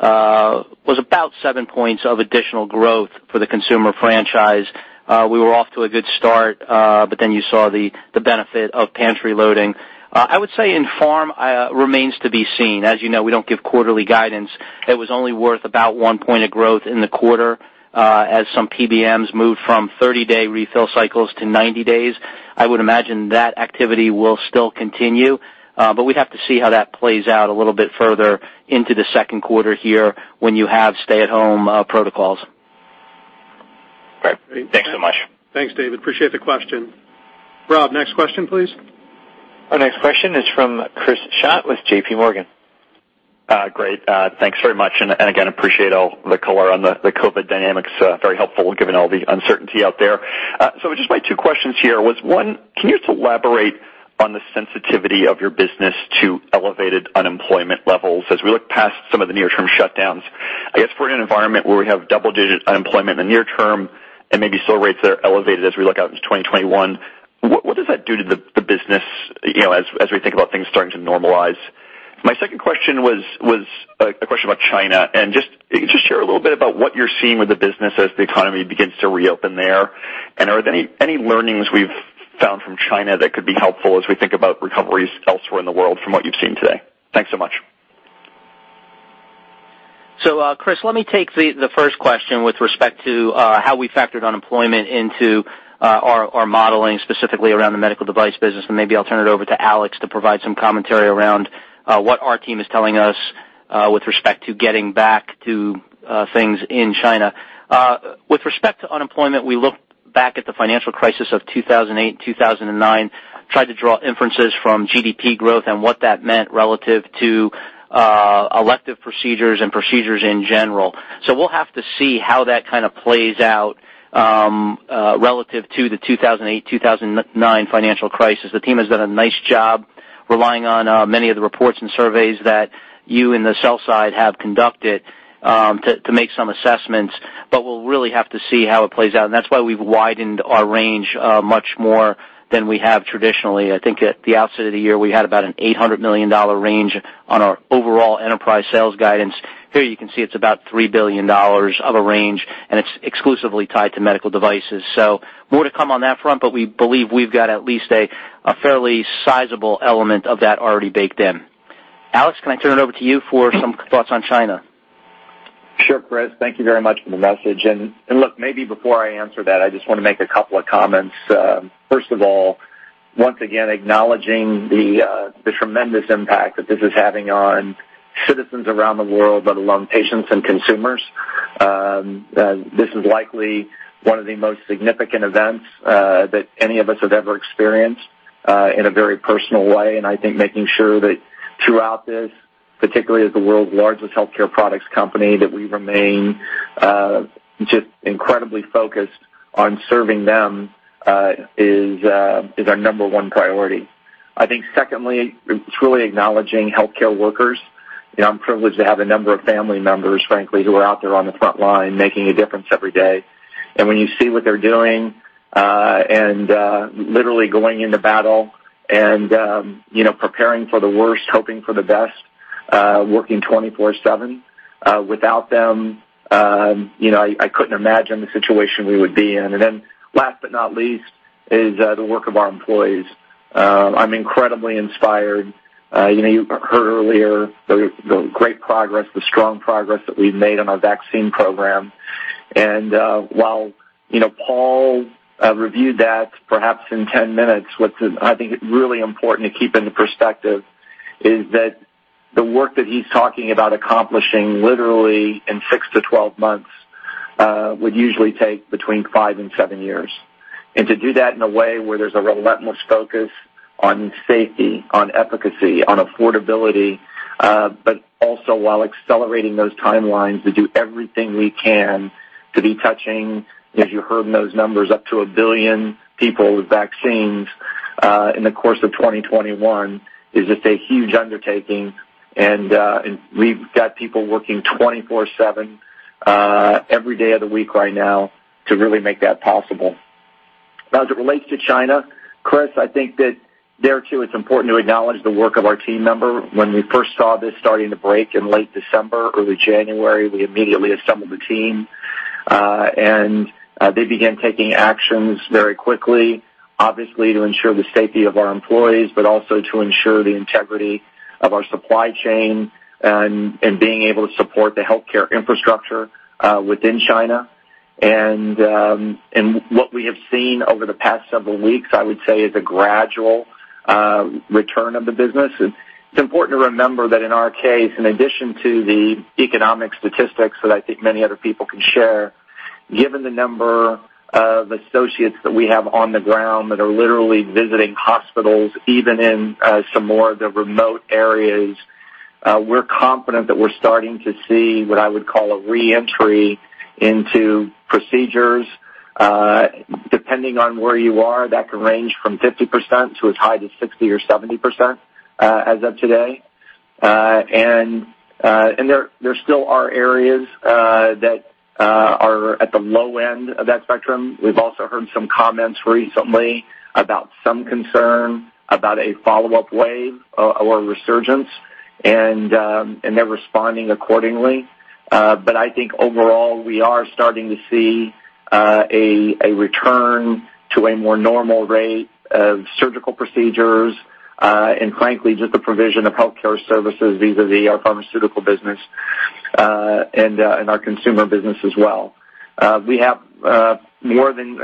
was about seven points of additional growth for the consumer franchise. We were off to a good start. You saw the benefit of pantry loading. I would say in pharm, remains to be seen. As you know, we don't give quarterly guidance. It was only worth about one point of growth in the quarter, as some PBMs moved from 30-day refill cycles to 90 days. I would imagine that activity will still continue. We'd have to see how that plays out a little bit further into the second quarter here when you have stay-at-home protocols. Great. Thanks so much. Thanks, David. Appreciate the question. Rob, next question, please. Our next question is from Chris Schott with JPMorgan. Great. Thanks very much. Again, appreciate all the color on the COVID dynamics. Very helpful given all the uncertainty out there. Just my two questions here was, one, can you elaborate on the sensitivity of your business to elevated unemployment levels as we look past some of the near-term shutdowns? I guess we're in an environment where we have double-digit unemployment in the near term and maybe still rates that are elevated as we look out into 2021. What does that do to the business as we think about things starting to normalize? My second question was a question about China. Just share a little bit about what you're seeing with the business as the economy begins to reopen there, and are there any learnings we've found from China that could be helpful as we think about recoveries elsewhere in the world from what you've seen today? Thanks so much. Chris, let me take the first question with respect to how we factored unemployment into our modeling, specifically around the medical device business, and maybe I'll turn it over to Alex to provide some commentary around what our team is telling us with respect to getting back to things in China. With respect to unemployment, we look back at the financial crisis of 2008 and 2009, tried to draw inferences from GDP growth and what that meant relative to elective procedures and procedures in general. We'll have to see how that plays out relative to the 2008-2009 financial crisis. The team has done a nice job relying on many of the reports and surveys that you in the sell side have conducted to make some assessments, but we'll really have to see how it plays out. That's why we've widened our range much more than we have traditionally. I think at the outset of the year, we had about an $800 million range on our overall enterprise sales guidance. Here you can see it's about $3 billion of a range, and it's exclusively tied to medical devices. More to come on that front, but we believe we've got at least a fairly sizable element of that already baked in. Alex, can I turn it over to you for some thoughts on China? Sure, Chris. Thank you very much for the message. Look, maybe before I answer that, I just want to make a couple of comments. First of all, once again acknowledging the tremendous impact that this is having on citizens around the world, let alone patients and consumers. This is likely one of the most significant events that any of us have ever experienced, in a very personal way. I think making sure that throughout this, particularly as the world's largest healthcare products company, that we remain just incredibly focused on serving them, is our number one priority. I think secondly, it's really acknowledging healthcare workers. I'm privileged to have a number of family members, frankly, who are out there on the front line making a difference every day. When you see what they're doing, and literally going into battle and preparing for the worst, hoping for the best, working 24/7. Without them, I couldn't imagine the situation we would be in. Last but not least is the work of our employees. I'm incredibly inspired. You heard earlier the great progress, the strong progress that we've made on our vaccine program. While Paul reviewed that perhaps in 10 minutes, what's I think really important to keep into perspective is that the work that he's talking about accomplishing literally in 6-12 months would usually take between five to seven years. To do that in a way where there's a relentless focus on safety, on efficacy, on affordability, but also while accelerating those timelines to do everything we can to be touching, as you heard in those numbers, up to 1 billion people with vaccines, in the course of 2021, is just a huge undertaking. We've got people working 24/7, every day of the week right now to really make that possible. Now, as it relates to China, Chris, I think that there too, it's important to acknowledge the work of our team member. When we first saw this starting to break in late December, early January, we immediately assembled a team. They began taking actions very quickly, obviously to ensure the safety of our employees, but also to ensure the integrity of our supply chain and being able to support the healthcare infrastructure within China. What we have seen over the past several weeks, I would say, is a gradual return of the business. It's important to remember that in our case, in addition to the economic statistics that I think many other people can share, given the number of associates that we have on the ground that are literally visiting hospitals, even in some more of the remote areas, we're confident that we're starting to see what I would call a re-entry into procedures. Depending on where you are, that can range from 50% to as high as 60% or 70% as of today. There still are areas that are at the low end of that spectrum. We've also heard some comments recently about some concern about a follow-up wave or a resurgence. They're responding accordingly. I think overall, we are starting to see a return to a more normal rate of surgical procedures, and frankly, just the provision of healthcare services vis-à-vis our pharmaceutical business, and our consumer business as well. We have more than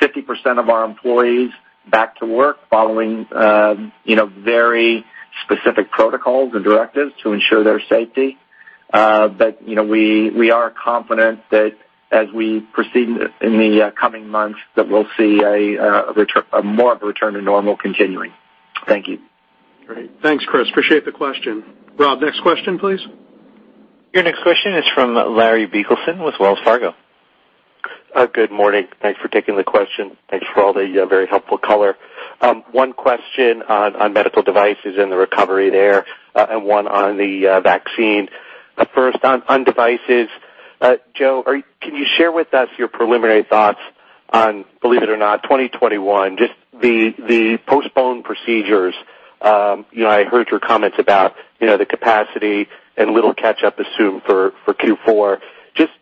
50% of our employees back to work following very specific protocols and directives to ensure their safety. We are confident that as we proceed in the coming months, that we'll see more of a return to normal continuing. Thank you. Great. Thanks, Chris. Appreciate the question. Rob, next question, please. Your next question is from Larry Biegelsen with Wells Fargo. Good morning. Thanks for taking the question. Thanks for all the very helpful color. One question on medical devices and the recovery there, and one on the vaccine. First, on devices. Joe, can you share with us your preliminary thoughts on, believe it or not, 2021, just the postponed procedures? I heard your comments about the capacity and little catch-up assumed for Q4. Just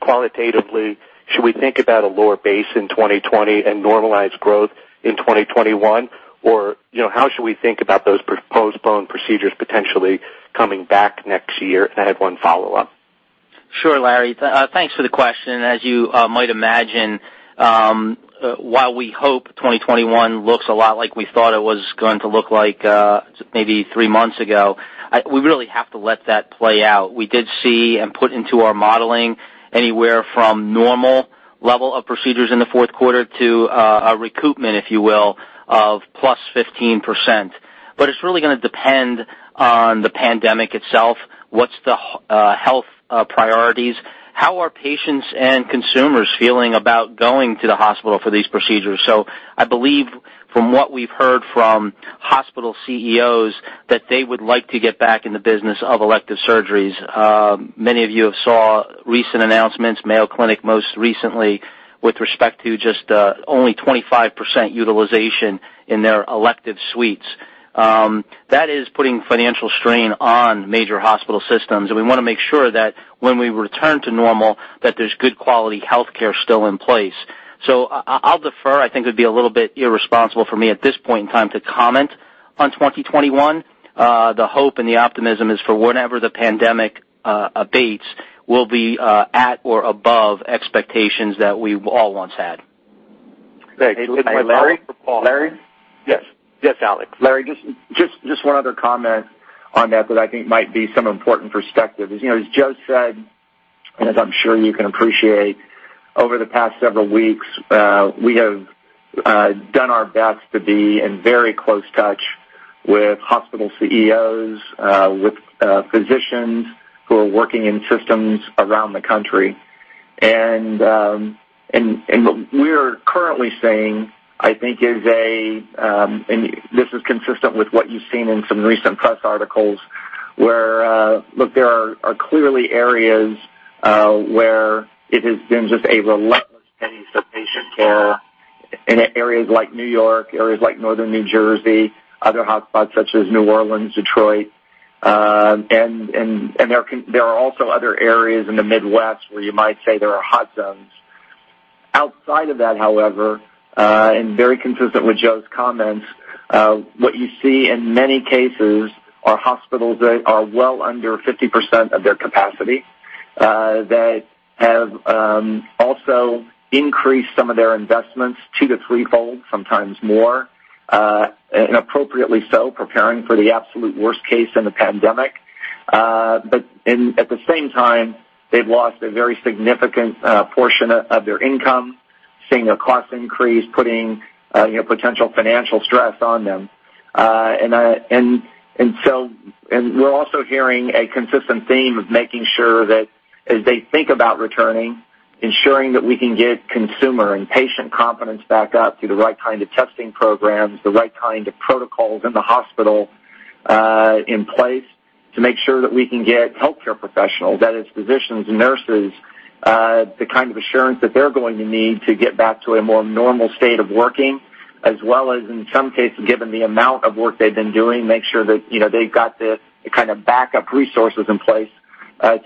qualitatively, should we think about a lower base in 2020 and normalized growth in 2021? How should we think about those postponed procedures potentially coming back next year? I have one follow-up. Sure, Larry. Thanks for the question. As you might imagine, while we hope 2021 looks a lot like we thought it was going to look like maybe three months ago, we really have to let that play out. We did see and put into our modeling anywhere from normal level of procedures in the fourth quarter to a recoupment, if you will, of plus 15%. It's really going to depend on the pandemic itself, what's the health priorities, how are patients and consumers feeling about going to the hospital for these procedures. I believe from what we've heard from hospital CEOs, that they would like to get back in the business of elective surgeries. Many of you have saw recent announcements, Mayo Clinic most recently, with respect to just only 25% utilization in their elective suites. That is putting financial strain on major hospital systems. We want to make sure that when we return to normal, that there's good quality healthcare still in place. I'll defer. I think it'd be a little bit irresponsible for me at this point in time to comment on 2021. The hope and the optimism is for whenever the pandemic abates, we'll be at or above expectations that we all once had. Great. One follow-up for Paul. Larry? Yes. Yes, Alex. Larry, just one other comment on that I think might be some important perspective is, as Joe said, and as I'm sure you can appreciate, over the past several weeks, we have done our best to be in very close touch with hospital CEOs, with physicians who are working in systems around the country. What we're currently saying, I think is consistent with what you've seen in some recent press articles, where look, there are clearly areas where it has been just a relentless pressure for patient care in areas like New York, areas like Northern New Jersey, other hotspots such as New Orleans, Detroit. There are also other areas in the Midwest where you might say there are hot zones. Outside of that, however, and very consistent with Joe's comments, what you see in many cases are hospitals that are well under 50% of their capacity, that have also increased some of their investments two to threefold, sometimes more, and appropriately so, preparing for the absolute worst case in the pandemic. But at the same time, they've lost a very significant portion of their income, seeing a cost increase, putting potential financial stress on them. We're also hearing a consistent theme of making sure that as they think about returning, ensuring that we can get consumer and patient confidence back up through the right kind of testing programs, the right kind of protocols in the hospital in place to make sure that we can get healthcare professionals, that is physicians and nurses, the kind of assurance that they're going to need to get back to a more normal state of working, as well as in some cases, given the amount of work they've been doing, make sure that they've got the backup resources in place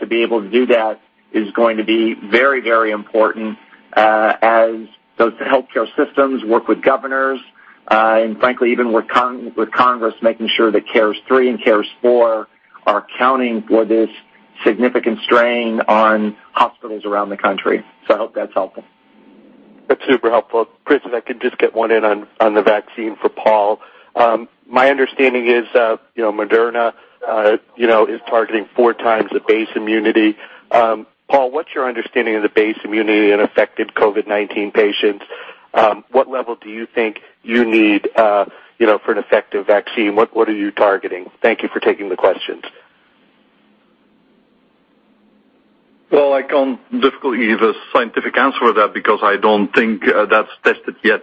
to be able to do that is going to be very important as those healthcare systems work with governors, and frankly, even with Congress, making sure that CARES 3 and CARES 4 are accounting for this significant strain on hospitals around the country. I hope that's helpful. That's super helpful. Chris, if I could just get one in on the vaccine for Paul. My understanding is Moderna is targeting four times the base immunity. Paul, what's your understanding of the base immunity in affected COVID-19 patients? What level do you think you need for an effective vaccine? What are you targeting? Thank you for taking the questions. I can't definitely give a scientific answer to that because I don't think that's tested yet.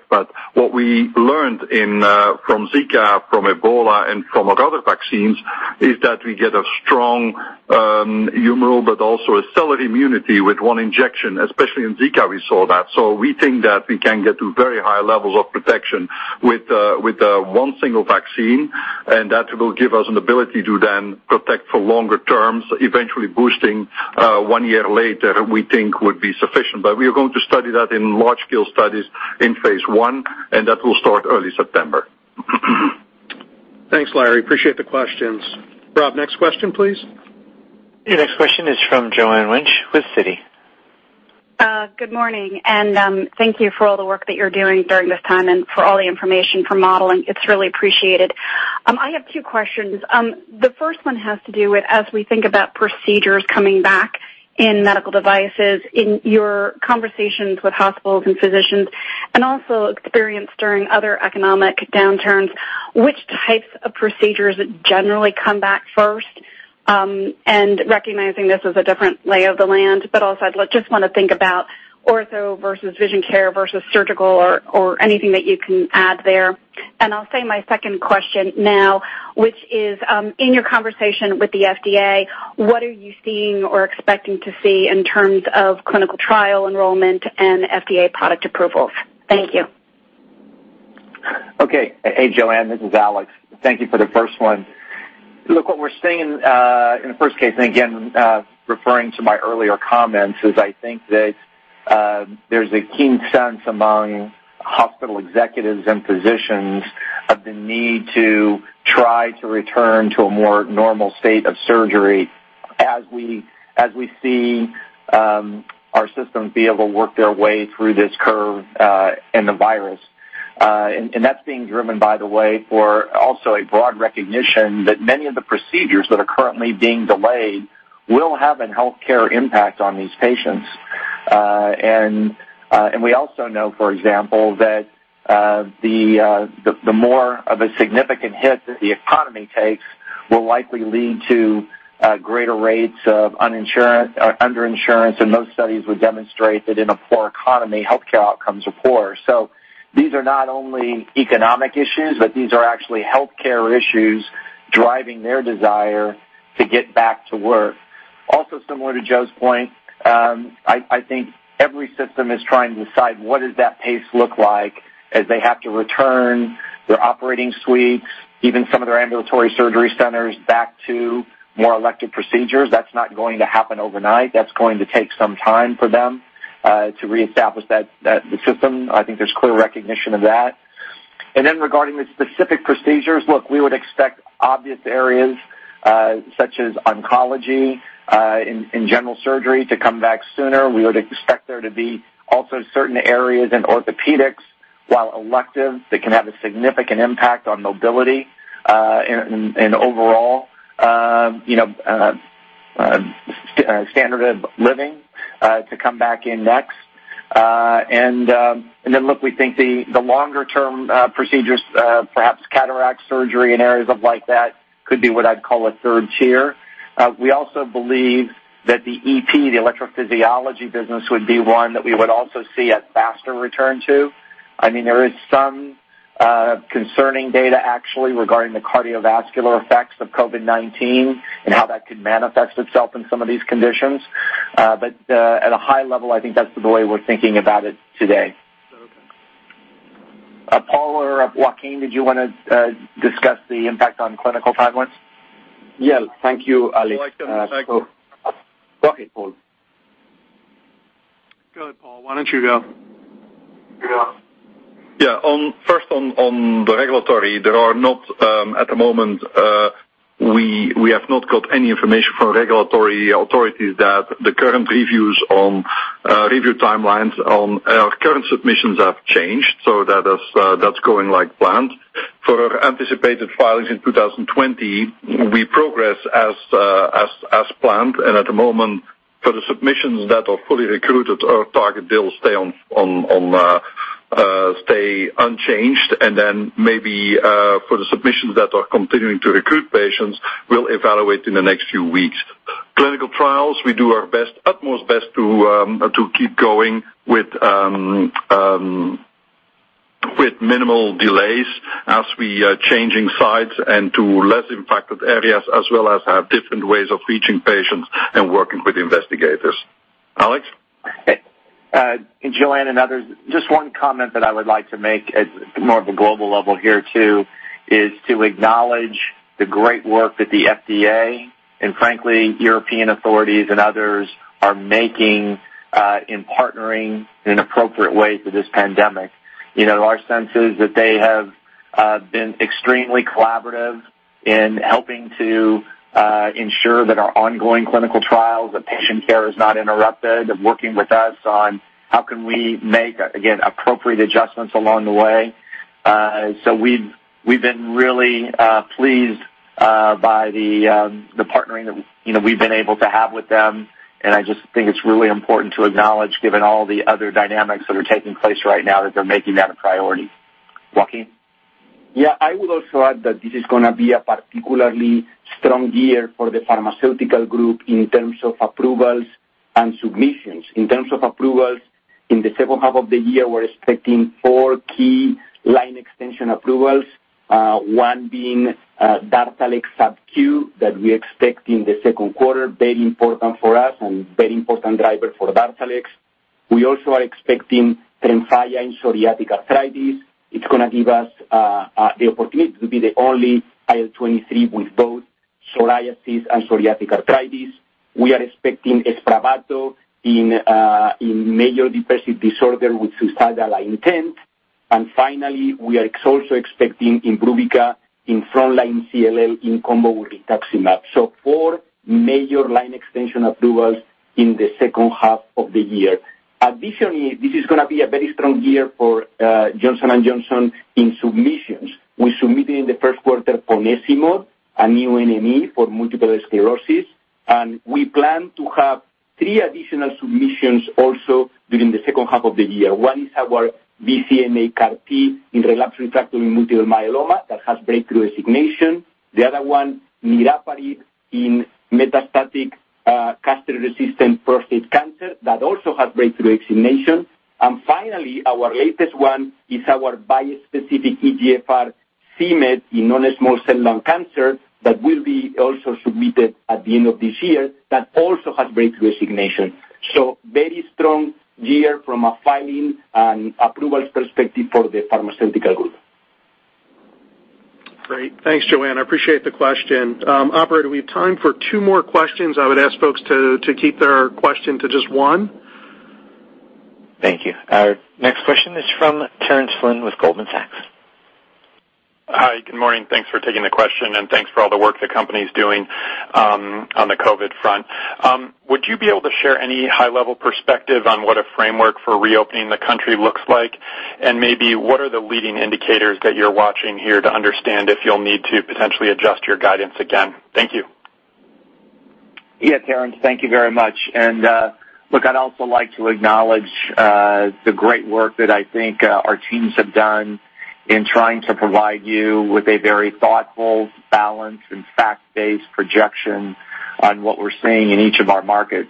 What we learned from Zika, from Ebola, and from our other vaccines is that we get a strong humoral, but also cellular immunity with one injection, especially in Zika, we saw that. We think that we can get to very high levels of protection with one single vaccine, and that will give us an ability to then protect for longer terms. Eventually boosting one year later, we think would be sufficient. We are going to study that in large-scale studies in phase I, and that will start early September. Thanks, Larry. Appreciate the questions. Rob, next question, please. Your next question is from Joanne Wuensch with Citi. Good morning, thank you for all the work that you're doing during this time and for all the information for modeling. It's really appreciated. I have two questions. The first one has to do with, as we think about procedures coming back in medical devices, in your conversations with hospitals and physicians, and also experience during other economic downturns, which types of procedures generally come back first? Recognizing this is a different lay of the land, but also I'd just want to think about ortho versus vision care versus surgical or anything that you can add there. I'll say my second question now, which is, in your conversation with the FDA, what are you seeing or expecting to see in terms of clinical trial enrollment and FDA product approvals? Thank you. Okay. Hey, Joanne, this is Alex. Thank you for the first one. Look, what we're seeing, in the first case, and again, referring to my earlier comments, is I think that there's a keen sense among hospital executives and physicians of the need to try to return to a more normal state of surgery as we see our systems be able to work their way through this curve and the virus. That's being driven, by the way, for also a broad recognition that many of the procedures that are currently being delayed will have a healthcare impact on these patients. We also know, for example, that the more of a significant hit that the economy takes will likely lead to greater rates of under-insurance, and most studies would demonstrate that in a poor economy, healthcare outcomes are poor. These are not only economic issues, but these are actually healthcare issues driving their desire to get back to work. Similar to Joe's point, I think every system is trying to decide what does that pace look like as they have to return their operating suites, even some of their ambulatory surgery centers, back to more elective procedures. That's not going to happen overnight. That's going to take some time for them to reestablish the system. I think there's clear recognition of that. Regarding the specific procedures, look, we would expect obvious areas, such as oncology, in general surgery to come back sooner. We would expect there to be also certain areas in orthopedics, while elective, that can have a significant impact on mobility, and overall standard of living, to come back in next. Look, we think the longer-term procedures, perhaps cataract surgery and areas like that could be what I'd call a third tier. We also believe that the EP, the electrophysiology business, would be one that we would also see a faster return to. There is some concerning data actually regarding the cardiovascular effects of COVID-19 and how that could manifest itself in some of these conditions. At a high level, I think that's the way we're thinking about it today. Okay. Paul or Joaquin, did you want to discuss the impact on clinical timelines? Yeah. Thank you, Alex. Go ahead, Paul. Go ahead, Paul. Why don't you go? Yeah. First on the regulatory, at the moment, we have not got any information from regulatory authorities that the current review timelines on our current submissions have changed. That's going like planned. For anticipated filings in 2020, we progress as planned. At the moment, for the submissions that are fully recruited, our target deal stay unchanged. Maybe, for the submissions that are continuing to recruit patients, we'll evaluate in the next few weeks. Clinical trials, we do our utmost best to keep going with minimal delays as we are changing sites and to less impacted areas, as well as have different ways of reaching patients and working with investigators. Alex? Joanne and others, just one comment that I would like to make at more of a global level here, too, is to acknowledge the great work that the FDA and frankly, European authorities and others are making in partnering in appropriate ways with this pandemic. Our sense is that they have been extremely collaborative in helping to ensure that our ongoing clinical trials, that patient care is not interrupted, of working with us on how can we make, again, appropriate adjustments along the way. We've been really pleased by the partnering that we've been able to have with them, and I just think it's really important to acknowledge, given all the other dynamics that are taking place right now, that they're making that a priority. Joaquin? Yeah, I would also add that this is going to be a particularly strong year for the pharmaceutical group in terms of approvals and submissions. In terms of approvals, in the second half of the year, we're expecting four key line extension approvals. One being DARZALEX sub Q that we expect in the second quarter, very important for us and very important driver for DARZALEX. We also are expecting TREMFYA in psoriatic arthritis. It's going to give us the opportunity to be the only IL-23 with both psoriasis and psoriatic arthritis. We are expecting SPRAVATO in major depressive disorder with suicidal ideation. Finally, we are also expecting IMBRUVICA in frontline CLL in combo with rituximab. Four major line extension approvals in the second half of the year. Additionally, this is going to be a very strong year for Johnson & Johnson in submissions. We submitted in the first quarter ponesimod, a new NME for multiple sclerosis, and we plan to have three additional submissions also during the second half of the year. One is our BCMA CAR-T in relapsed refractory multiple myeloma that has breakthrough designation. The other one, niraparib in metastatic, castrate-resistant prostate cancer that also has breakthrough designation. Finally, our latest one is our bispecific EGFR-cMET in non-small cell lung cancer that will be also submitted at the end of this year that also has breakthrough designation. Very strong year from a filing and approvals perspective for the pharmaceutical group. Great. Thanks, Joanne. I appreciate the question. Operator, we have time for two more questions. I would ask folks to keep their question to just one. Thank you. Our next question is from Terence Flynn with Goldman Sachs. Hi. Good morning. Thanks for taking the question, thanks for all the work the company is doing on the COVID front. Would you be able to share any high-level perspective on what a framework for reopening the country looks like? Maybe what are the leading indicators that you're watching here to understand if you'll need to potentially adjust your guidance again? Thank you. Yeah, Terence. Thank you very much. Look, I'd also like to acknowledge the great work that I think our teams have done in trying to provide you with a very thoughtful, balanced, and fact-based projection on what we're seeing in each of our markets.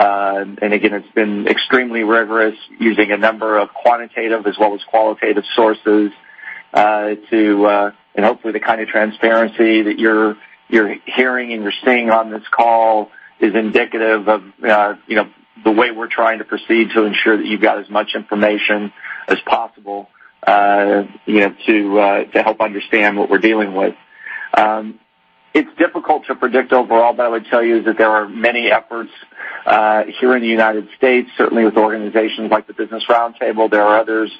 Again, it's been extremely rigorous using a number of quantitative as well as qualitative sources, and hopefully the kind of transparency that you're hearing and you're seeing on this call is indicative of the way we're trying to proceed to ensure that you've got as much information as possible to help understand what we're dealing with. It's difficult to predict overall, I would tell you that there are many efforts here in the United States, certainly with organizations like the Business Roundtable. There are others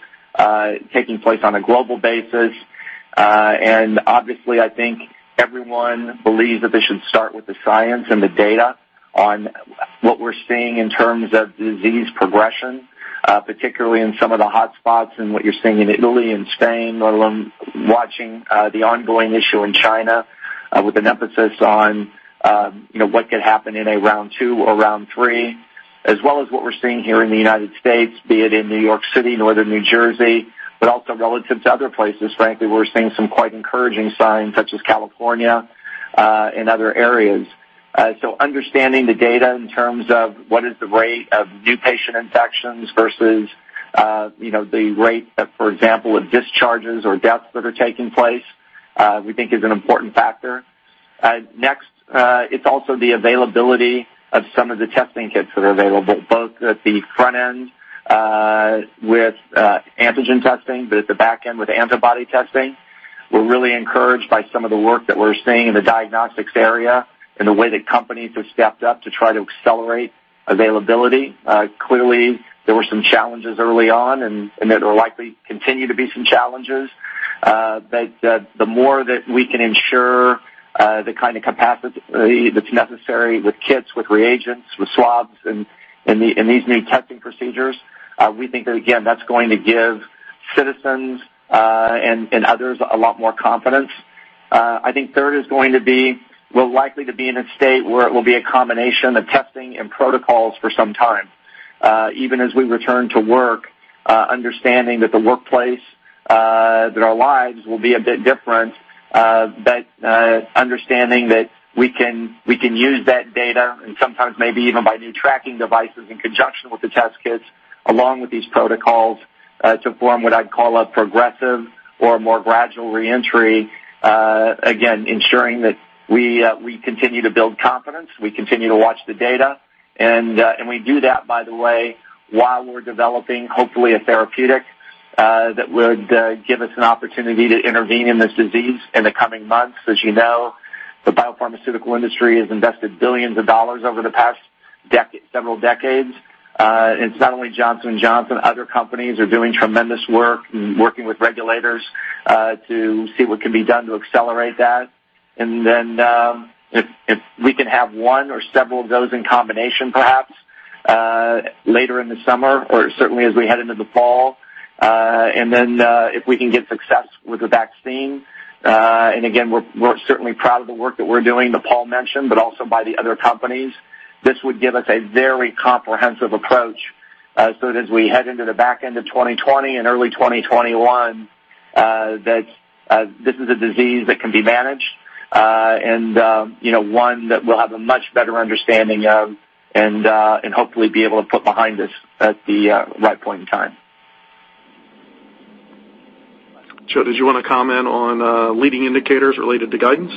taking place on a global basis. Obviously, I think everyone believes that they should start with the science and the data on what we're seeing in terms of disease progression, particularly in some of the hotspots and what you're seeing in Italy and Spain, let alone watching the ongoing issue in China with an emphasis on what could happen in a round two or round three, as well as what we're seeing here in the United States, be it in New York City, Northern New Jersey, but also relative to other places. Frankly, we're seeing some quite encouraging signs such as California and other areas. Understanding the data in terms of what is the rate of new patient infections versus the rate of, for example, discharges or deaths that are taking place, we think is an important factor. Next, it's also the availability of some of the testing kits that are available, both at the front end with antigen testing, but at the back end with antibody testing. We're really encouraged by some of the work that we're seeing in the diagnostics area and the way that companies have stepped up to try to accelerate availability. Clearly, there were some challenges early on, and there will likely continue to be some challenges. But the more that we can ensure the kind of capacity that's necessary with kits, with reagents, with swabs in these new testing procedures, we think that, again, that's going to give citizens and others a lot more confidence. I think third is going to be, we're likely to be in a state where it will be a combination of testing and protocols for some time. Even as we return to work, understanding that the workplace, that our lives will be a bit different, but understanding that we can use that data and sometimes maybe even by new tracking devices in conjunction with the test kits, along with these protocols, to form what I'd call a progressive or more gradual re-entry, again, ensuring that we continue to build confidence, we continue to watch the data. We do that, by the way, while we're developing, hopefully, a therapeutic that would give us an opportunity to intervene in this disease in the coming months. As you know, the biopharmaceutical industry has invested billions of dollars over the past several decades. It's not only Johnson & Johnson, other companies are doing tremendous work and working with regulators to see what can be done to accelerate that. If we can have one or several of those in combination, perhaps, later in the summer or certainly as we head into the fall. If we can get success with the vaccine, and again, we're certainly proud of the work that we're doing that Paul mentioned, but also by the other companies. This would give us a very comprehensive approach. As we head into the back end of 2020 and early 2021, that this is a disease that can be managed, and one that we'll have a much better understanding of and hopefully be able to put behind us at the right point in time. Joe, did you want to comment on leading indicators related to guidance?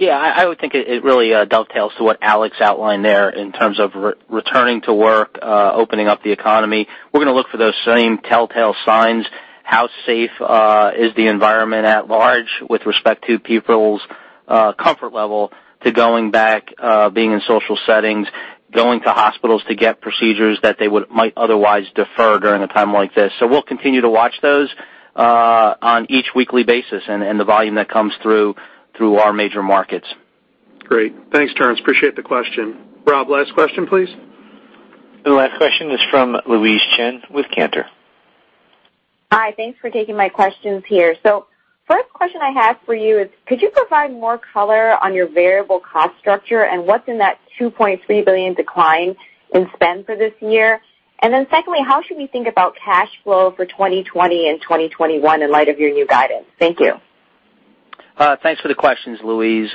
I would think it really dovetails to what Alex outlined there in terms of returning to work, opening up the economy. We're going to look for those same telltale signs, how safe is the environment at large with respect to people's comfort level to going back, being in social settings, going to hospitals to get procedures that they might otherwise defer during a time like this. We'll continue to watch those on each weekly basis and the volume that comes through our major markets. Great. Thanks, Terence. Appreciate the question. Rob, last question, please. The last question is from Louise Chen with Cantor. Hi. Thanks for taking my questions here. First question I had for you is, could you provide more color on your variable cost structure and what's in that $2.3 billion decline in spend for this year? Secondly, how should we think about cash flow for 2020 and 2021 in light of your new guidance? Thank you. Thanks for the questions, Louise.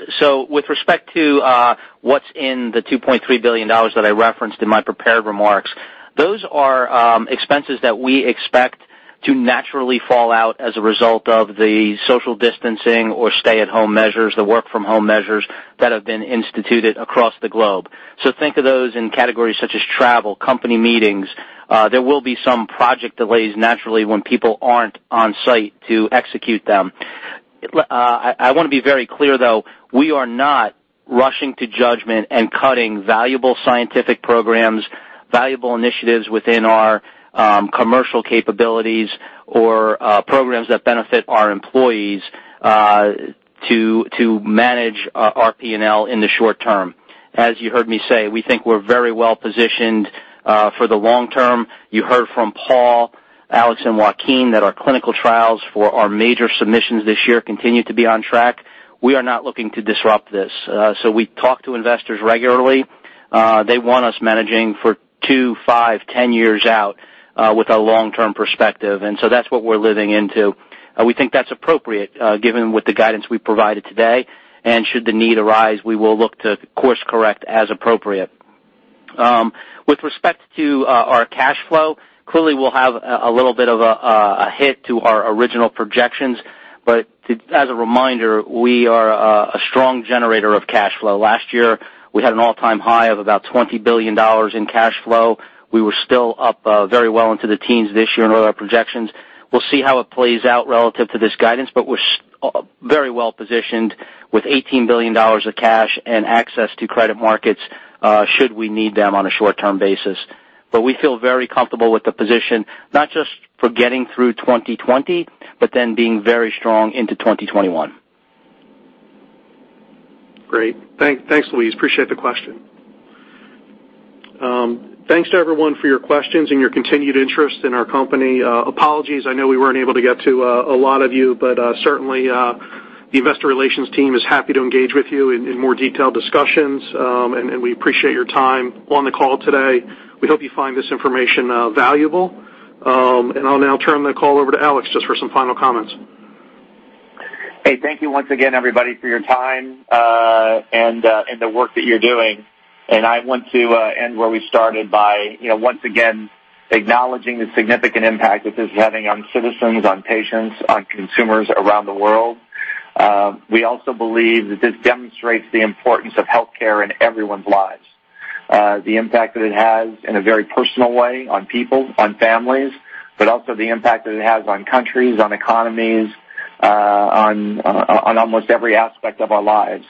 With respect to what's in the $2.3 billion that I referenced in my prepared remarks, those are expenses that we expect to naturally fall out as a result of the social distancing or stay at home measures, the work from home measures that have been instituted across the globe. Think of those in categories such as travel, company meetings. There will be some project delays naturally when people aren't on site to execute them. I want to be very clear, though, we are not rushing to judgment and cutting valuable scientific programs, valuable initiatives within our commercial capabilities or programs that benefit our employees, to manage our P&L in the short term. As you heard me say, we think we're very well positioned for the long term. You heard from Paul, Alex, and Joaquin that our clinical trials for our major submissions this year continue to be on track. We are not looking to disrupt this. We talk to investors regularly. They want us managing for two, five, 10 years out, with a long-term perspective, that's what we're living into. We think that's appropriate, given with the guidance we provided today, should the need arise, we will look to course correct as appropriate. With respect to our cash flow, clearly, we'll have a little bit of a hit to our original projections, as a reminder, we are a strong generator of cash flow. Last year, we had an all-time high of about $20 billion in cash flow. We were still up very well into the teens this year in all our projections. We'll see how it plays out relative to this guidance. We're very well positioned with $18 billion of cash and access to credit markets should we need them on a short-term basis. We feel very comfortable with the position, not just for getting through 2020, but then being very strong into 2021. Great. Thanks, Louise, appreciate the question. Thanks to everyone for your questions and your continued interest in our company. Apologies, I know we weren't able to get to a lot of you, but certainly, the investor relations team is happy to engage with you in more detailed discussions. We appreciate your time on the call today. We hope you find this information valuable. I'll now turn the call over to Alex just for some final comments. Hey, thank you once again, everybody, for your time, and the work that you're doing. I want to end where we started by once again acknowledging the significant impact that this is having on citizens, on patients, on consumers around the world. We also believe that this demonstrates the importance of healthcare in everyone's lives. The impact that it has in a very personal way on people, on families, but also the impact that it has on countries, on economies, on almost every aspect of our lives.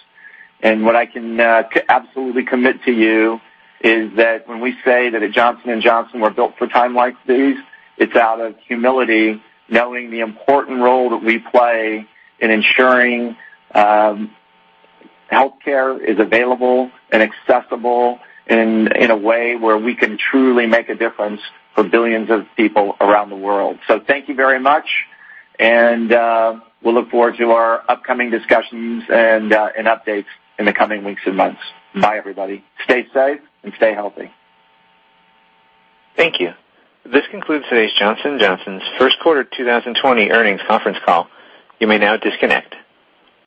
What I can absolutely commit to you is that when we say that at Johnson & Johnson, we're built for time like these, it's out of humility, knowing the important role that we play in ensuring healthcare is available and accessible in a way where we can truly make a difference for billions of people around the world. Thank you very much, and we'll look forward to our upcoming discussions and updates in the coming weeks and months. Bye, everybody. Stay safe and stay healthy. Thank you. This concludes today's Johnson & Johnson's first quarter 2020 earnings conference call. You may now disconnect.